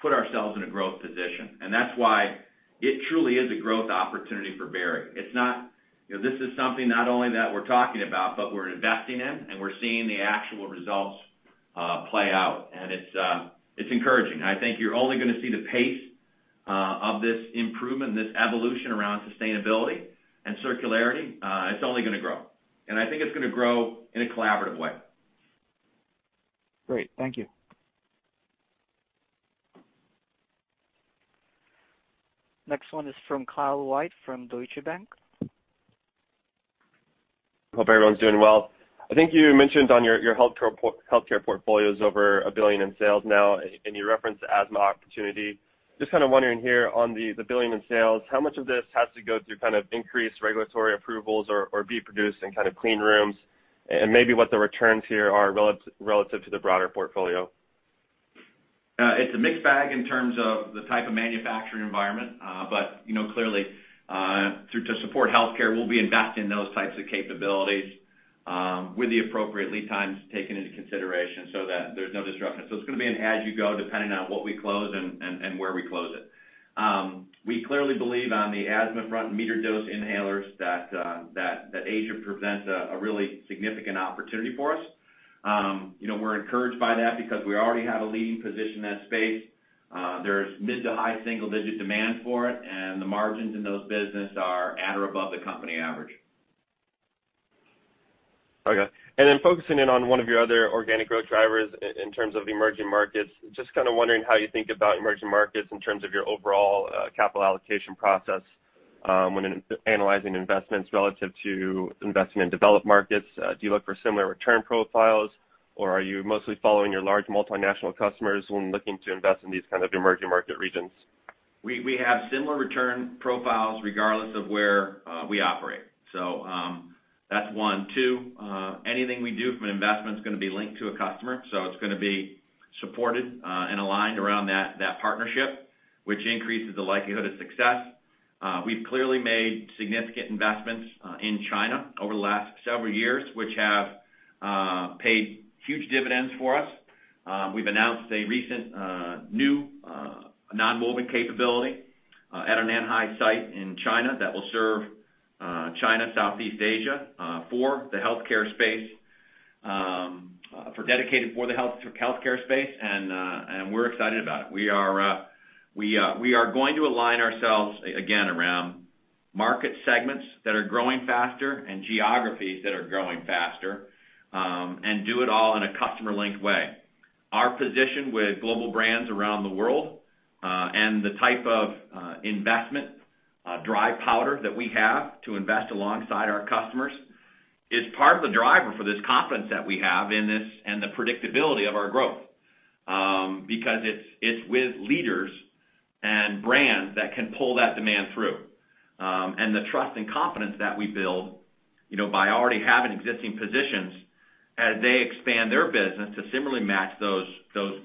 put ourselves in a growth position. That's why it truly is a growth opportunity for Berry. This is something not only that we're talking about, but we're investing in, we're seeing the actual results play out. It's encouraging. I think you're only going to see the pace of this improvement, this evolution around sustainability and circularity, it's only going to grow. I think it's going to grow in a collaborative way. Great. Thank you. Next one is from Kyle White from Deutsche Bank. Hope everyone's doing well. I think you mentioned on your healthcare portfolio is over $1 billion in sales now, you referenced the asthma opportunity. Just kind of wondering here on the $1 billion in sales, how much of this has to go through increased regulatory approvals or be produced in kind of clean rooms? Maybe what the returns here are relative to the broader portfolio. It's a mixed bag in terms of the type of manufacturing environment. Clearly, to support healthcare, we'll be investing in those types of capabilities with the appropriate lead times taken into consideration so that there's no disruption. It's going to be an as you go, depending on what we close and where we close it. We clearly believe on the asthma front, metered dose inhalers, that Asia presents a really significant opportunity for us. We're encouraged by that because we already have a leading position in that space. There's mid to high single-digit demand for it, and the margins in those business are at or above the company average. Okay. Then focusing in on one of your other organic growth drivers in terms of emerging markets, just kind of wondering how you think about emerging markets in terms of your overall capital allocation process when analyzing investments relative to investing in developed markets. Do you look for similar return profiles, or are you mostly following your large multinational customers when looking to invest in these kind of emerging market regions? We have similar return profiles regardless of where we operate. That's one. Two, anything we do from an investment is going to be linked to a customer, so it's going to be supported and aligned around that partnership, which increases the likelihood of success. We've clearly made significant investments in China over the last several years, which have paid huge dividends for us. We've announced a recent, new nonwoven capability at our Nanhai site in China that will serve China, Southeast Asia for the healthcare space, dedicated for the healthcare space, and we're excited about it. We are going to align ourselves, again, around market segments that are growing faster and geographies that are growing faster, and do it all in a customer-linked way. Our position with global brands around the world, and the type of investment, dry powder that we have to invest alongside our customers is part of the driver for this confidence that we have in this and the predictability of our growth. Because it's with leaders and brands that can pull that demand through. The trust and confidence that we build by already having existing positions as they expand their business to similarly match those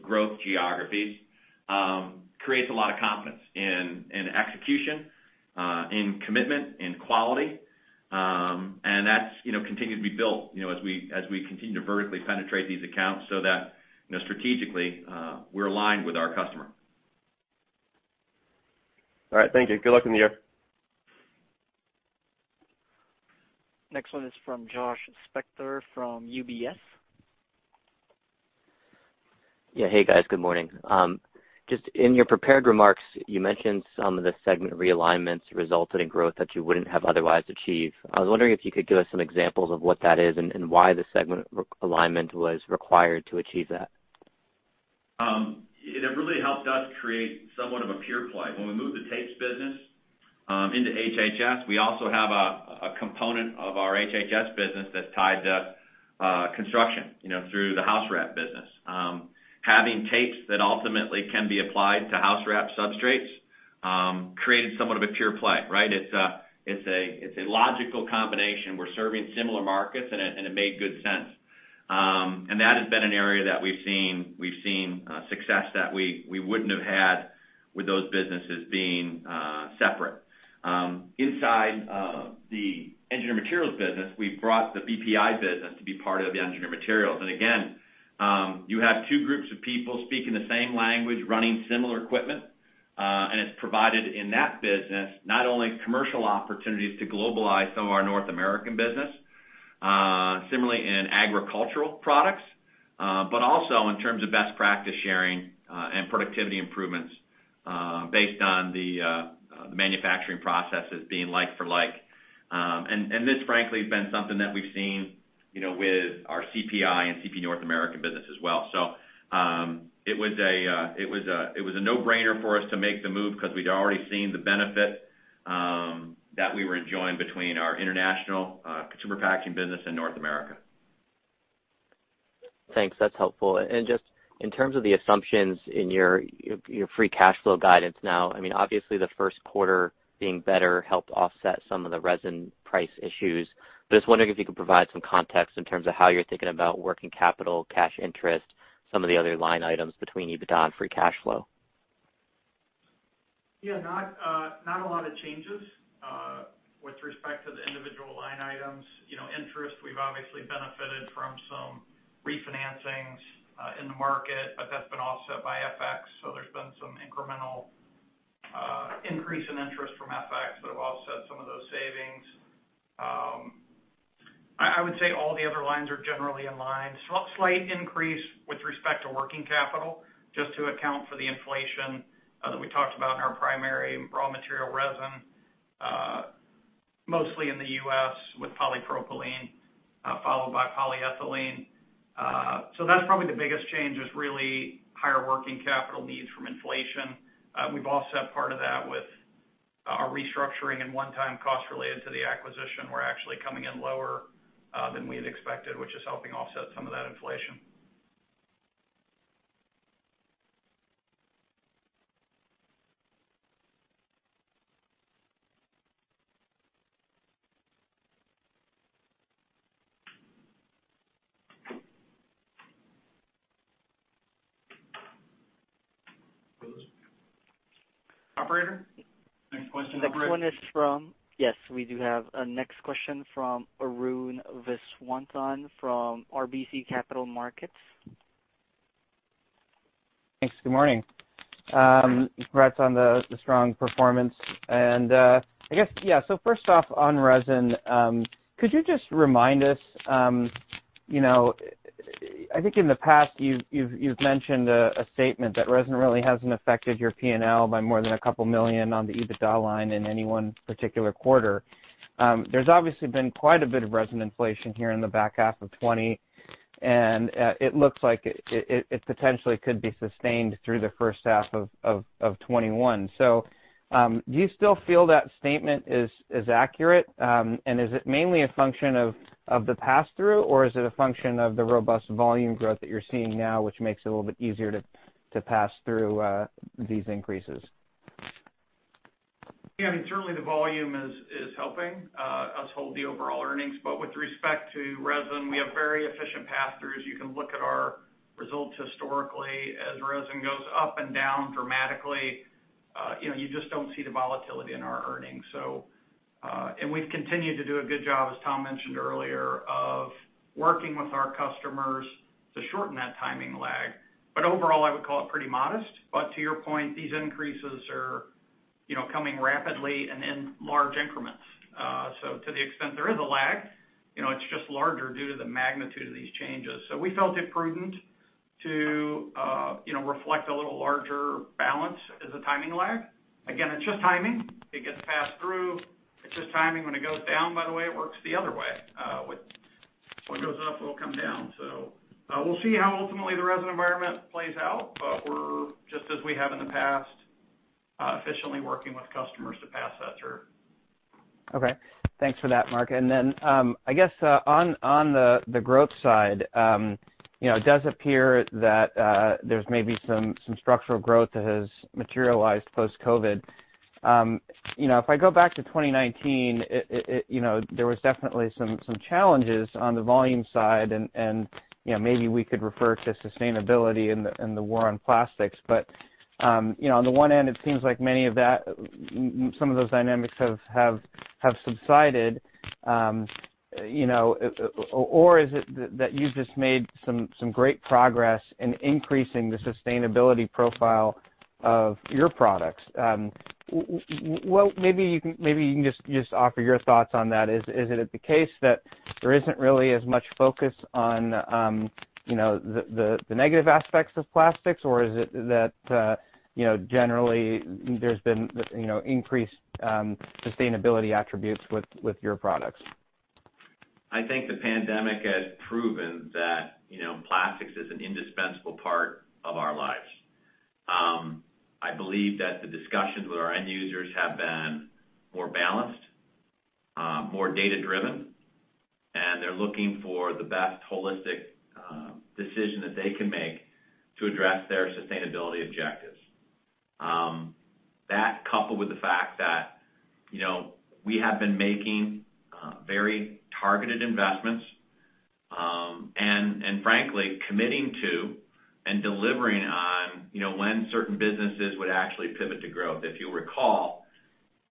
growth geographies creates a lot of confidence in execution, in commitment, in quality. That's continued to be built as we continue to vertically penetrate these accounts so that strategically, we're aligned with our customer. All right. Thank you. Good luck in the year. Next one is from Josh Spector from UBS. Yeah. Hey, guys. Good morning. Just in your prepared remarks, you mentioned some of the segment realignments resulted in growth that you wouldn't have otherwise achieved. I was wondering if you could give us some examples of what that is and why the segment alignment was required to achieve that? It really helped us create somewhat of a pure play. When we moved the tapes business into HH&S, we also have a component of our HH&S business that's tied to construction through the housewrap business. Having tapes that ultimately can be applied to housewrap substrates created somewhat of a pure play, right? It's a logical combination. We're serving similar markets, and it made good sense. That has been an area that we've seen success that we wouldn't have had with those businesses being separate. Inside the Engineered Materials business, we brought the BPI business to be part of the Engineered Materials. Again, you have two groups of people speaking the same language, running similar equipment. It's provided, in that business, not only commercial opportunities to globalize some of our North American business, similarly in agricultural products. Also in terms of best practice sharing and productivity improvements based on the manufacturing processes being like for like. This frankly, has been something that we've seen with our CPI and CP North American business as well. It was a no-brainer for us to make the move because we'd already seen the benefit that we were enjoying between our international consumer packaging business and North America. Thanks. That's helpful. Just in terms of the assumptions in your free cash flow guidance now, I mean, obviously the first quarter being better helped offset some of the resin price issues. I was wondering if you could provide some context in terms of how you're thinking about working capital, cash interest, some of the other line items between EBITDA and free cash flow. Yeah, not a lot of changes with respect to the individual line items. Interest, we've obviously benefited from some refinancings in the market, but that's been offset by FX, so there's been some incremental increase in interest from FX that have offset some of those savings. I would say all the other lines are generally in line. Slight increase with respect to working capital, just to account for the inflation that we talked about in our primary raw material resin, mostly in the U.S. with polypropylene, followed by polyethylene. That's probably the biggest change, is really higher working capital needs from inflation. We've offset part of that with our restructuring and one-time costs related to the acquisition. We're actually coming in lower than we had expected, which is helping offset some of that inflation. Operator, next question. Yes, we do have a next question from Arun Viswanathan from RBC Capital Markets. Thanks. Good morning. Congrats on the strong performance. I guess, yeah, so first off on resin, could you just remind us, I think in the past you've mentioned a statement that resin really hasn't affected your P&L by more than a couple million on the EBITDA line in any one particular quarter. There's obviously been quite a bit of resin inflation here in the back half of 2020, and it looks like it potentially could be sustained through the first half of 2021. Do you still feel that statement is accurate? Is it mainly a function of the pass-through, or is it a function of the robust volume growth that you're seeing now, which makes it a little bit easier to pass through these increases? I mean, certainly the volume is helping us hold the overall earnings, with respect to resin, we have very efficient pass-throughs. You can look at our results historically as resin goes up and down dramatically. You just don't see the volatility in our earnings. We've continued to do a good job, as Tom mentioned earlier, of working with our customers to shorten that timing lag. Overall, I would call it pretty modest. To your point, these increases are coming rapidly and in large increments. To the extent there is a lag, it's just larger due to the magnitude of these changes. We felt it prudent to reflect a little larger balance as a timing lag. Again, it's just timing. It gets passed through. It's just timing. When it goes down, by the way, it works the other way. What goes up will come down. We'll see how ultimately the resin environment plays out, but we're, just as we have in the past, efficiently working with customers to pass that through. Okay. Thanks for that, Mark. I guess on the growth side, it does appear that there's maybe some structural growth that has materialized post-COVID. If I go back to 2019, there was definitely some challenges on the volume side and maybe we could refer to sustainability and the war on plastics. On the one end, it seems like some of those dynamics have subsided. Is it that you've just made some great progress in increasing the sustainability profile of your products? Maybe you can just offer your thoughts on that. Is it the case that there isn't really as much focus on the negative aspects of plastics, or is it that generally there's been increased sustainability attributes with your products? I think the pandemic has proven that plastics is an indispensable part of our lives. I believe that the discussions with our end users have been more balanced, more data-driven, and they're looking for the best holistic decision that they can make to address their sustainability objectives. That, coupled with the fact that we have been making very targeted investments, and frankly, committing to and delivering on when certain businesses would actually pivot to growth. If you'll recall,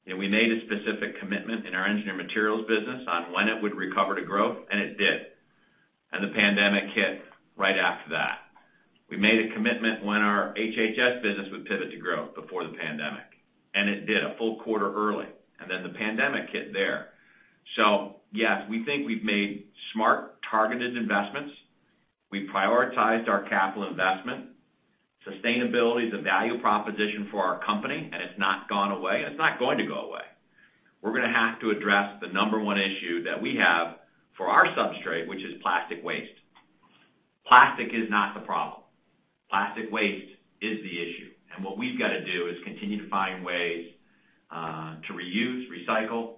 we made a specific commitment in our Engineered Materials business on when it would recover to growth, and it did. The pandemic hit right after that. We made a commitment when our HH&S business would pivot to growth before the pandemic, and it did a full quarter early, and then the pandemic hit there. Yes, we think we've made smart, targeted investments. We've prioritized our capital investment. Sustainability is a value proposition for our company, and it's not gone away, and it's not going to go away. We're going to have to address the number one issue that we have for our substrate, which is plastic waste. Plastic is not the problem. Plastic waste is the issue, and what we've got to do is continue to find ways to reuse, recycle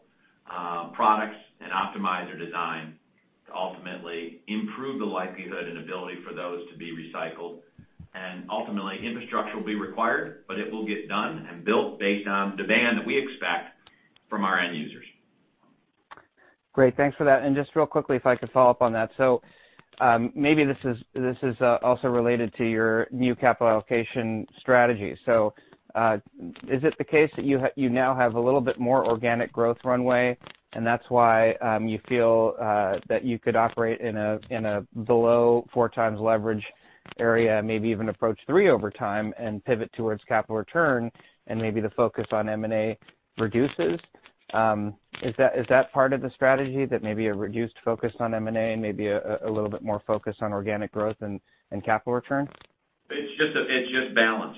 products and optimize their design to ultimately improve the likelihood and ability for those to be recycled. Ultimately, infrastructure will be required, but it will get done and built based on demand that we expect from our end users. Great. Thanks for that. Just real quickly, if I could follow up on that. Maybe this is also related to your new capital allocation strategy. Is it the case that you now have a little bit more organic growth runway, and that's why you feel that you could operate in a below four times leverage area, maybe even approach three over time and pivot towards capital return and maybe the focus on M&A reduces? Is that part of the strategy that maybe a reduced focus on M&A and maybe a little bit more focus on organic growth and capital returns? It's just balance.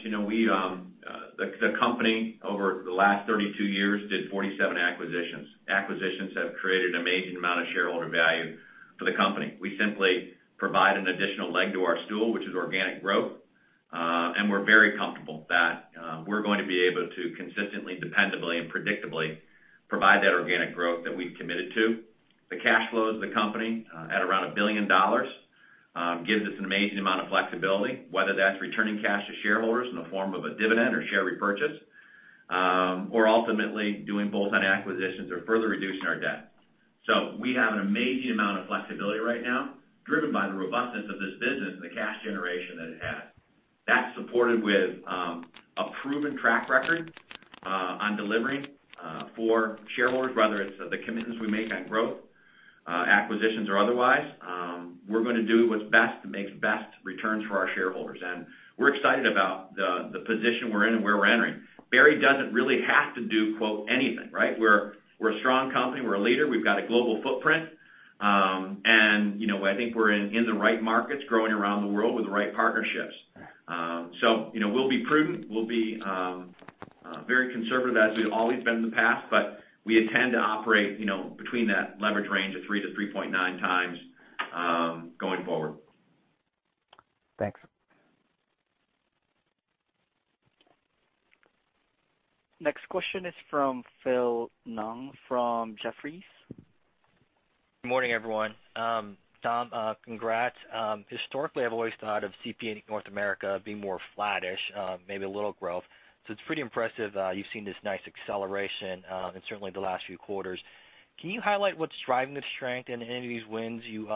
The company over the last 32 years did 47 acquisitions. Acquisitions have created an amazing amount of shareholder value for the company. We simply provide an additional leg to our stool, which is organic growth. We're very comfortable that we're going to be able to consistently, dependably and predictably provide that organic growth that we've committed to. The cash flows of the company at around $1 billion gives us an amazing amount of flexibility, whether that's returning cash to shareholders in the form of a dividend or share repurchase, or ultimately doing both on acquisitions or further reducing our debt. We have an amazing amount of flexibility right now, driven by the robustness of this business and the cash generation that it has. That's supported with a proven track record on delivering for shareholders, whether it's the commitments we make on growth, acquisitions or otherwise. We're going to do what's best to make best returns for our shareholders. We're excited about the position we're in and where we're entering. Berry doesn't really have to do anything, right? We're a strong company. We're a leader. We've got a global footprint. I think we're in the right markets, growing around the world with the right partnerships. We'll be prudent, we'll be very conservative as we've always been in the past, but we intend to operate between that leverage range of 3-3.9 times going forward. Thanks. Next question is from Phil Ng from Jefferies. Good morning, everyone. Tom, congrats. Historically, I've always thought of CP North America being more flattish, maybe a little growth. It's pretty impressive you've seen this nice acceleration in certainly the last few quarters. Can you highlight what's driving the strength in any of these wins you've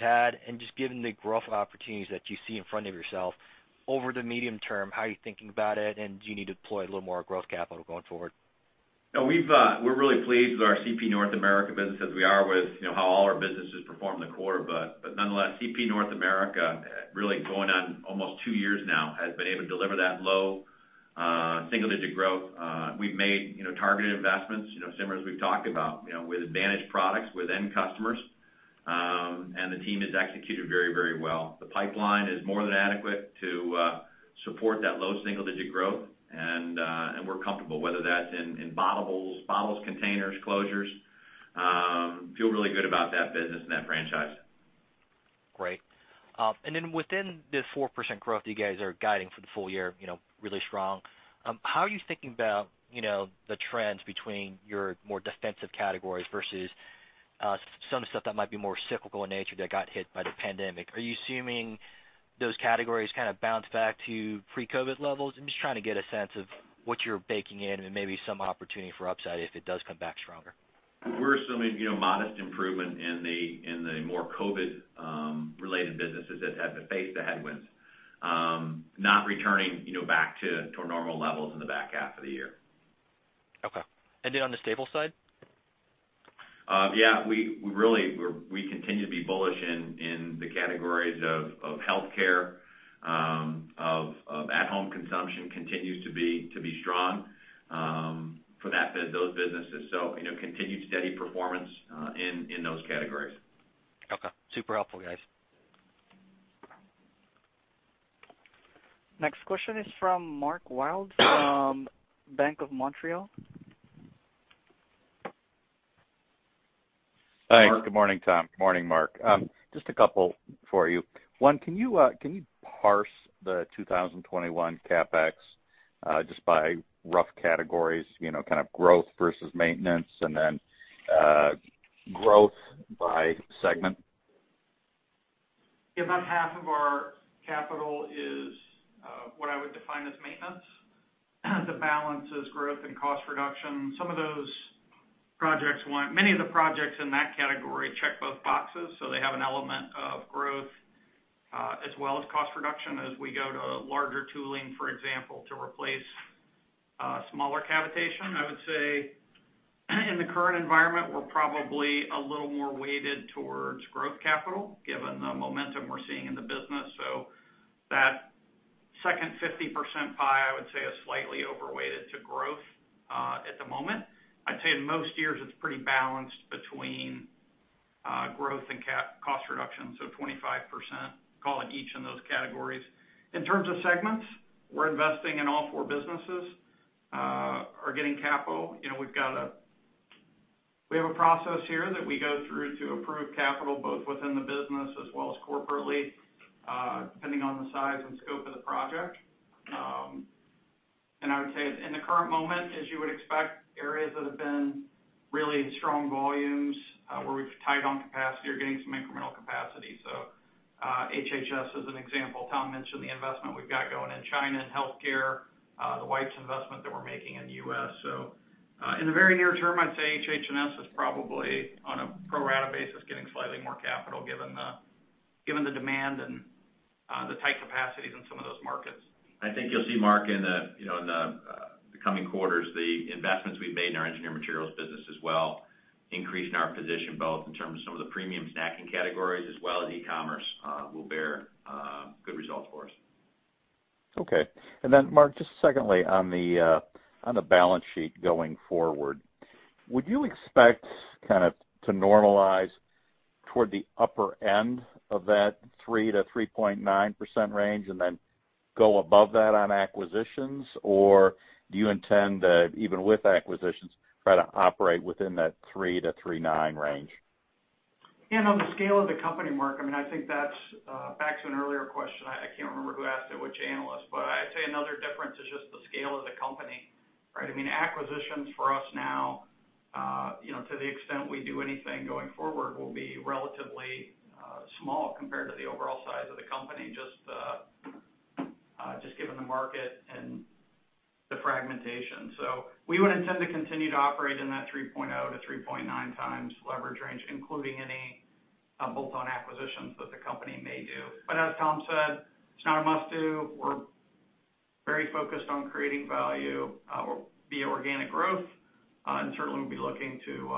had and just given the growth opportunities that you see in front of yourself over the medium term, how are you thinking about it and do you need to deploy a little more growth capital going forward? We're really pleased with our CP North America business as we are with how all our businesses performed in the quarter. Nonetheless, CP North America, really going on almost two years now, has been able to deliver that low single-digit growth. We've made targeted investments similar as we've talked about with advantage products with end customers. The team has executed very well. The pipeline is more than adequate to support that low single-digit growth, and we're comfortable whether that's in bottables, bottles, containers, closures. Feel really good about that business and that franchise. Great. Within the 4% growth you guys are guiding for the full year, really strong. How are you thinking about the trends between your more defensive categories versus some stuff that might be more cyclical in nature that got hit by the pandemic? Are you assuming those categories kind of bounce back to pre-COVID levels? I'm just trying to get a sense of what you're baking in and maybe some opportunity for upside if it does come back stronger. We're assuming modest improvement in the more COVID-related businesses that have to face the headwinds. Not returning back to normal levels in the back half of the year. Okay. On the stable side? Yeah, we continue to be bullish in the categories of healthcare, of at-home consumption continues to be strong for those businesses. Continued steady performance in those categories. Okay. Super helpful, guys. Next question is from Mark Wilde from Bank of Montreal. Thanks. Good morning, Tom. Morning. Morning, Mark. Just a couple for you. Can you parse the 2021 CapEx just by rough categories, kind of growth versus maintenance and then growth by segment? About half of our capital is what I would define as maintenance. The balance is growth and cost reduction. Many of the projects in that category check both boxes, so they have an element of growth as well as cost reduction as we go to larger tooling, for example, to replace smaller cavitation. I would say in the current environment, we're probably a little more weighted towards growth capital, given the momentum we're seeing in the business. That second 50% pie, I would say, is slightly overweighted to growth at the moment. I'd say in most years it's pretty balanced between growth and cost reduction, so 25% call it, each in those categories. In terms of segments, we're investing in all four businesses are getting capital. We have a process here that we go through to approve capital both within the business as well as corporately, depending on the size and scope of the project. I would say in the current moment, as you would expect, areas that have been really strong volumes where we've tied on capacity are getting some incremental capacity. HH&S is an example. Tom mentioned the investment we've got going in China in healthcare, the wipes investment that we're making in the U.S. In the very near term, I'd say HH&S is probably on a pro rata basis, getting slightly more capital given the demand and the tight capacities in some of those markets. I think you'll see, Mark, in the coming quarters, the investments we've made in our Engineered Materials business as well, increasing our position both in terms of some of the premium snacking categories as well as e-commerce will bear good results for us. Okay. Mark, just secondly, on the balance sheet going forward, would you expect to normalize toward the upper end of that 3%-3.9% range and then go above that on acquisitions? Do you intend to, even with acquisitions, try to operate within that 3%-3.9% range? On the scale of the company, Mark, I think that's back to an earlier question. I can't remember who asked it, which analyst, I'd say another difference is just the scale of the company, right? Acquisitions for us now, to the extent we do anything going forward, will be relatively small compared to the overall size of the company, just given the market and the fragmentation. We would intend to continue to operate in that 3.0-3.9 times leverage range, including any bolt-on acquisitions that the company may do. As Tom said, it's not a must-do. We're very focused on creating value via organic growth. Certainly, we'll be looking to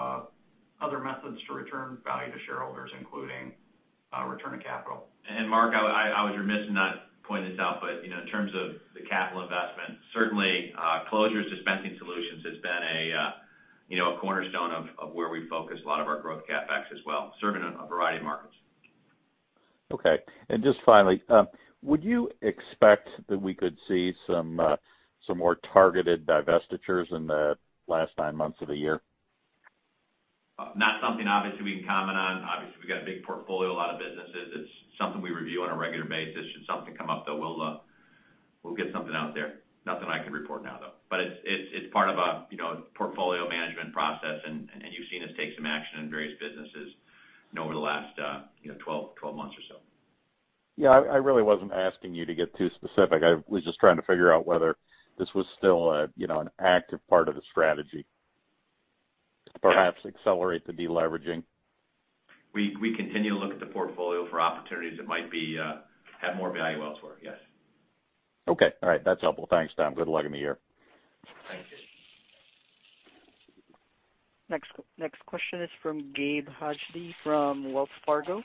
other methods to return value to shareholders, including return of capital. Mark, I was remiss in not pointing this out, but in terms of the capital investment, certainly closures dispensing solutions has been a cornerstone of where we focus a lot of our growth CapEx as well, serving a variety of markets. Okay. Just finally, would you expect that we could see some more targeted divestitures in the last nine months of the year? Not something obviously we can comment on. Obviously, we've got a big portfolio, a lot of businesses. It's something we review on a regular basis. Should something come up, though, we'll get something out there. Nothing I can report now, though. It's part of a portfolio management process, and you've seen us take some action in various businesses over the last 12 months or so. Yeah, I really wasn't asking you to get too specific. I was just trying to figure out whether this was still an active part of the strategy to perhaps accelerate the deleveraging. We continue to look at the portfolio for opportunities that might have more value elsewhere, yes. Okay. All right. That's helpful. Thanks, Tom. Good luck in the year. Thank you. Next question is from Gabe Hajde from Wells Fargo.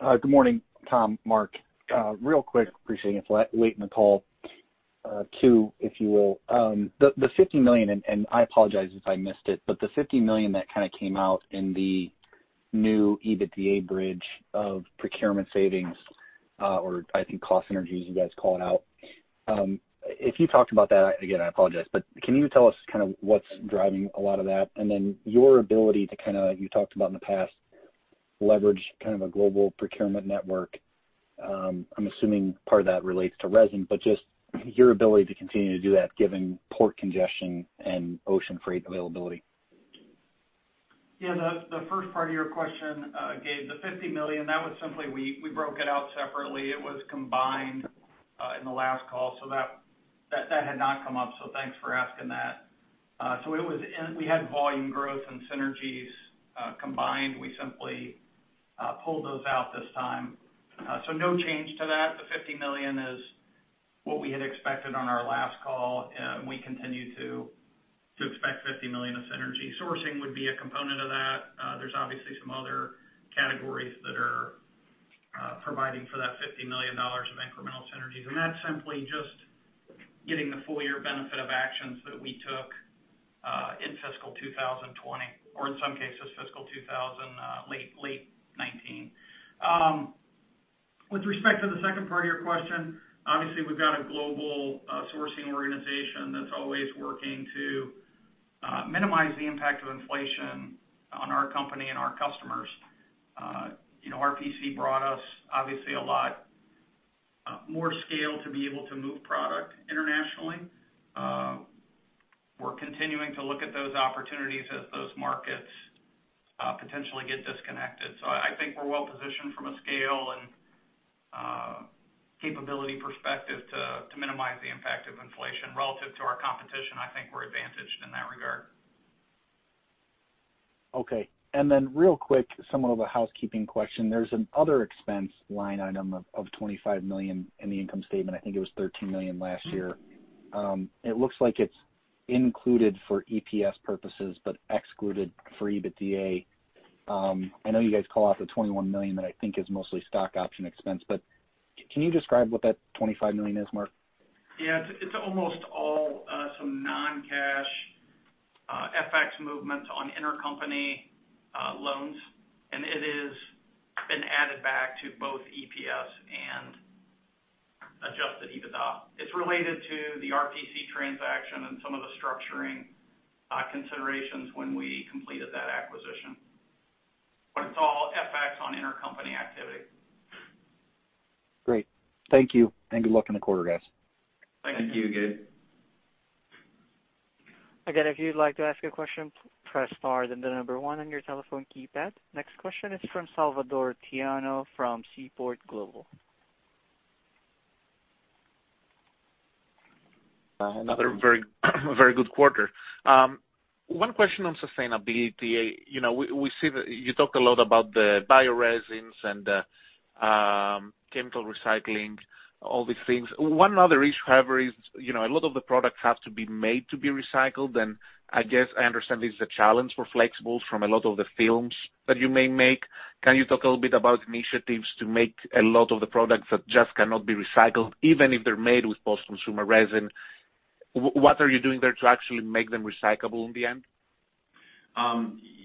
Good morning, Tom, Mark. Real quick, appreciate you late in the call, two, if you will. The $50 million, and I apologize if I missed it, but the $50 million that kind of came out in the new EBITDA bridge of procurement savings, or I think cost synergies you guys call it out. If you talked about that, again, I apologize, but can you tell us kind of what's driving a lot of that? Then your ability to kind of, you talked about in the past, leverage kind of a global procurement network. I'm assuming part of that relates to resin, but just your ability to continue to do that given port congestion and ocean freight availability? The first part of your question, Gabe, the $50 million, that was simply we broke it out separately. It was combined in the last call. That had not come up, so thanks for asking that. We had volume growth and synergies combined. We simply pulled those out this time. No change to that. The $50 million is what we had expected on our last call, and we continue to expect $50 million of synergy. Sourcing would be a component of that. There's obviously some other categories that are providing for that $50 million of incremental synergies, that's simply just getting the full year benefit of actions that we took in fiscal 2020, or in some cases fiscal late 2019. With respect to the second part of your question, obviously we've got a global sourcing organization that's always working to minimize the impact of inflation on our company and our customers. RPC brought us obviously a lot more scale to be able to move product internationally. We're continuing to look at those opportunities as those markets potentially get disconnected. I think we're well positioned from a scale and capability perspective to minimize the impact of inflation relative to our competition. I think we're advantaged in that regard. Okay. Real quick, somewhat of a housekeeping question. There's an other expense line item of $25 million in the income statement. I think it was $13 million last year. It looks like it's included for EPS purposes, but excluded for EBITDA. I know you guys call out the $21 million that I think is mostly stock option expense, can you describe what that $25 million is, Mark? Yeah, it's almost all some non-cash FX movement on intercompany loans, and it has been added back to both EPS and adjusted EBITDA. It's related to the RPC transaction and some of the structuring considerations when we completed that acquisition. It's all FX on intercompany activity. Great. Thank you. Good luck in the quarter, guys. Thank you, Gabe. Again, if you'd like to ask a question, press star, then the number one on your telephone keypad. Next question is from Salvator Tiano from Seaport Global. Another very good quarter. One question on sustainability. You talked a lot about the bio resins and chemical recycling, all these things. One other issue, however, is a lot of the products have to be made to be recycled. I guess I understand this is a challenge for flexibles from a lot of the films that you may make. Can you talk a little bit about initiatives to make a lot of the products that just cannot be recycled, even if they're made with post-consumer resin. What are you doing there to actually make them recyclable in the end?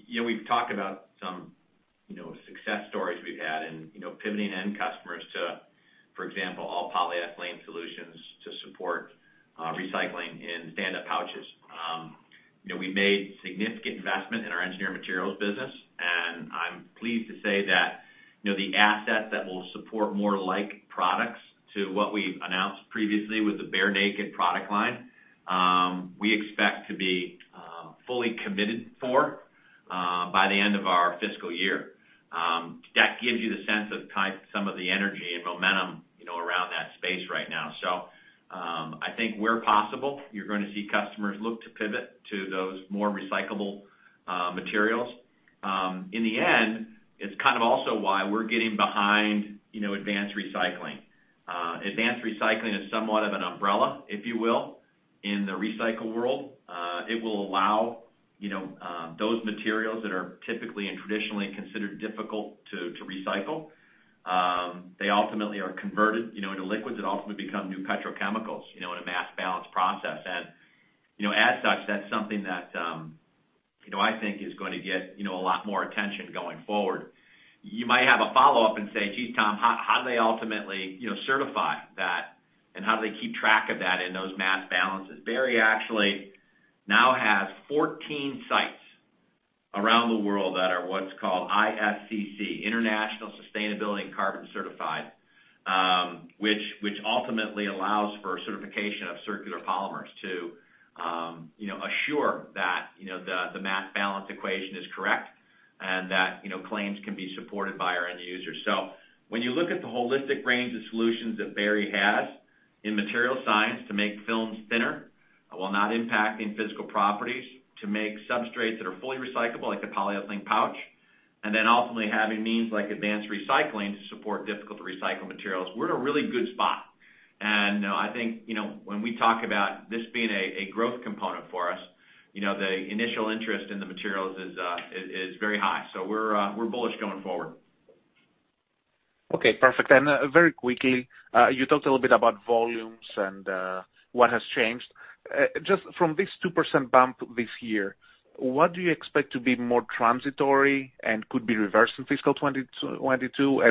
We've talked about some success stories we've had in pivoting end customers to, for example, all polyethylene solutions to support recycling in standup pouches. We made significant investment in our Engineered Materials business, I'm pleased to say that the asset that will support more like products to what we announced previously with the Bear Naked product line, we expect to be fully committed for by the end of our fiscal year. That gives you the sense of kind some of the energy and momentum around that space right now. I think where possible, you're going to see customers look to pivot to those more recyclable materials. In the end, it's kind of also why we're getting behind advanced recycling. Advanced recycling is somewhat of an umbrella, if you will, in the recycle world. It will allow those materials that are typically and traditionally considered difficult to recycle. They ultimately are converted into liquids that ultimately become new petrochemicals, in a mass balance process. As such, that's something that I think is going to get a lot more attention going forward. You might have a follow-up and say, Geez, Tom, how do they ultimately certify that and how do they keep track of that in those mass balances? Berry actually now has 14 sites around the world that are what's called ISCC, International Sustainability and Carbon Certified, which ultimately allows for certification of circular polymers to assure that the mass balance equation is correct and that claims can be supported by our end user. When you look at the holistic range of solutions that Berry has in material science to make films thinner while not impacting physical properties, to make substrates that are fully recyclable, like the polyethylene pouch, and then ultimately having means like advanced recycling to support difficult to recycle materials, we're in a really good spot. I think, when we talk about this being a growth component for us, the initial interest in the materials is very high. We're bullish going forward. Okay, perfect. Very quickly, you talked a little bit about volumes and what has changed. Just from this 2% bump this year, what do you expect to be more transitory and could be reversed in fiscal 2022?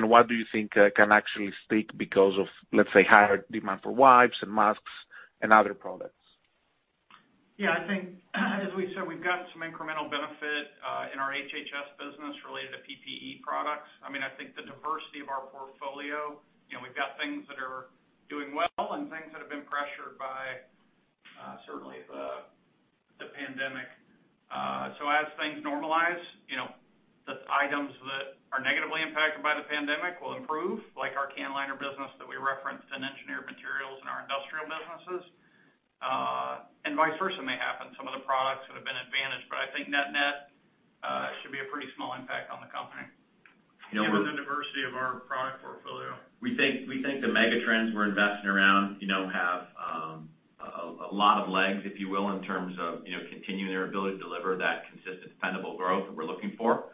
What do you think can actually stick because of, let's say, higher demand for wipes and masks and other products? Yeah, I think as we said, we've gotten some incremental benefit in our HH&S business related to PPE products. I think the diversity of our portfolio, we've got things that are doing well and things that have been pressured by, certainly the pandemic. As things normalize, the items that are negatively impacted by the pandemic will improve, like our can liner business that we referenced in Engineered Materials in our industrial businesses. Vice versa may happen. Some of the products that have been advantaged, but I think net should be a pretty small impact on the company. Given the diversity of our product portfolio, we think the mega trends we're investing around have a lot of legs, if you will, in terms of continuing their ability to deliver that consistent, dependable growth that we're looking for.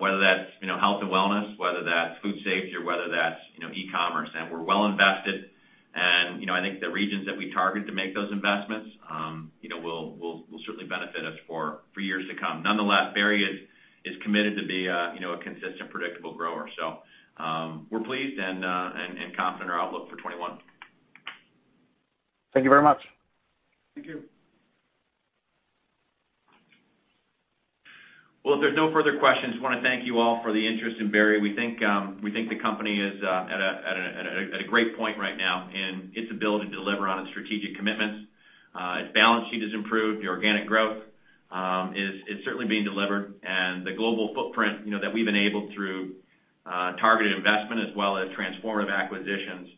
Whether that's health and wellness, whether that's food safety, or whether that's e-commerce. We're well invested and I think the regions that we target to make those investments will certainly benefit us for years to come. Nonetheless, Berry is committed to be a consistent, predictable grower. We're pleased and confident in our outlook for 2021. Thank you very much. Thank you. Well, if there's no further questions, I want to thank you all for the interest in Berry. We think the company is at a great point right now in its ability to deliver on its strategic commitments. Its balance sheet has improved. The organic growth is certainly being delivered. The global footprint that we've enabled through targeted investment as well as transformative acquisitions,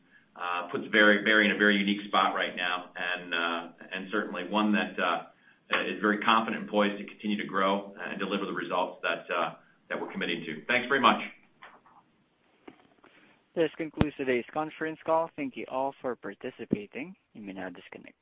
puts Berry in a very unique spot right now. Certainly one that is very confident and poised to continue to grow and deliver the results that we're committing to. Thanks very much. This concludes today's conference call. Thank you all for participating. You may now disconnect.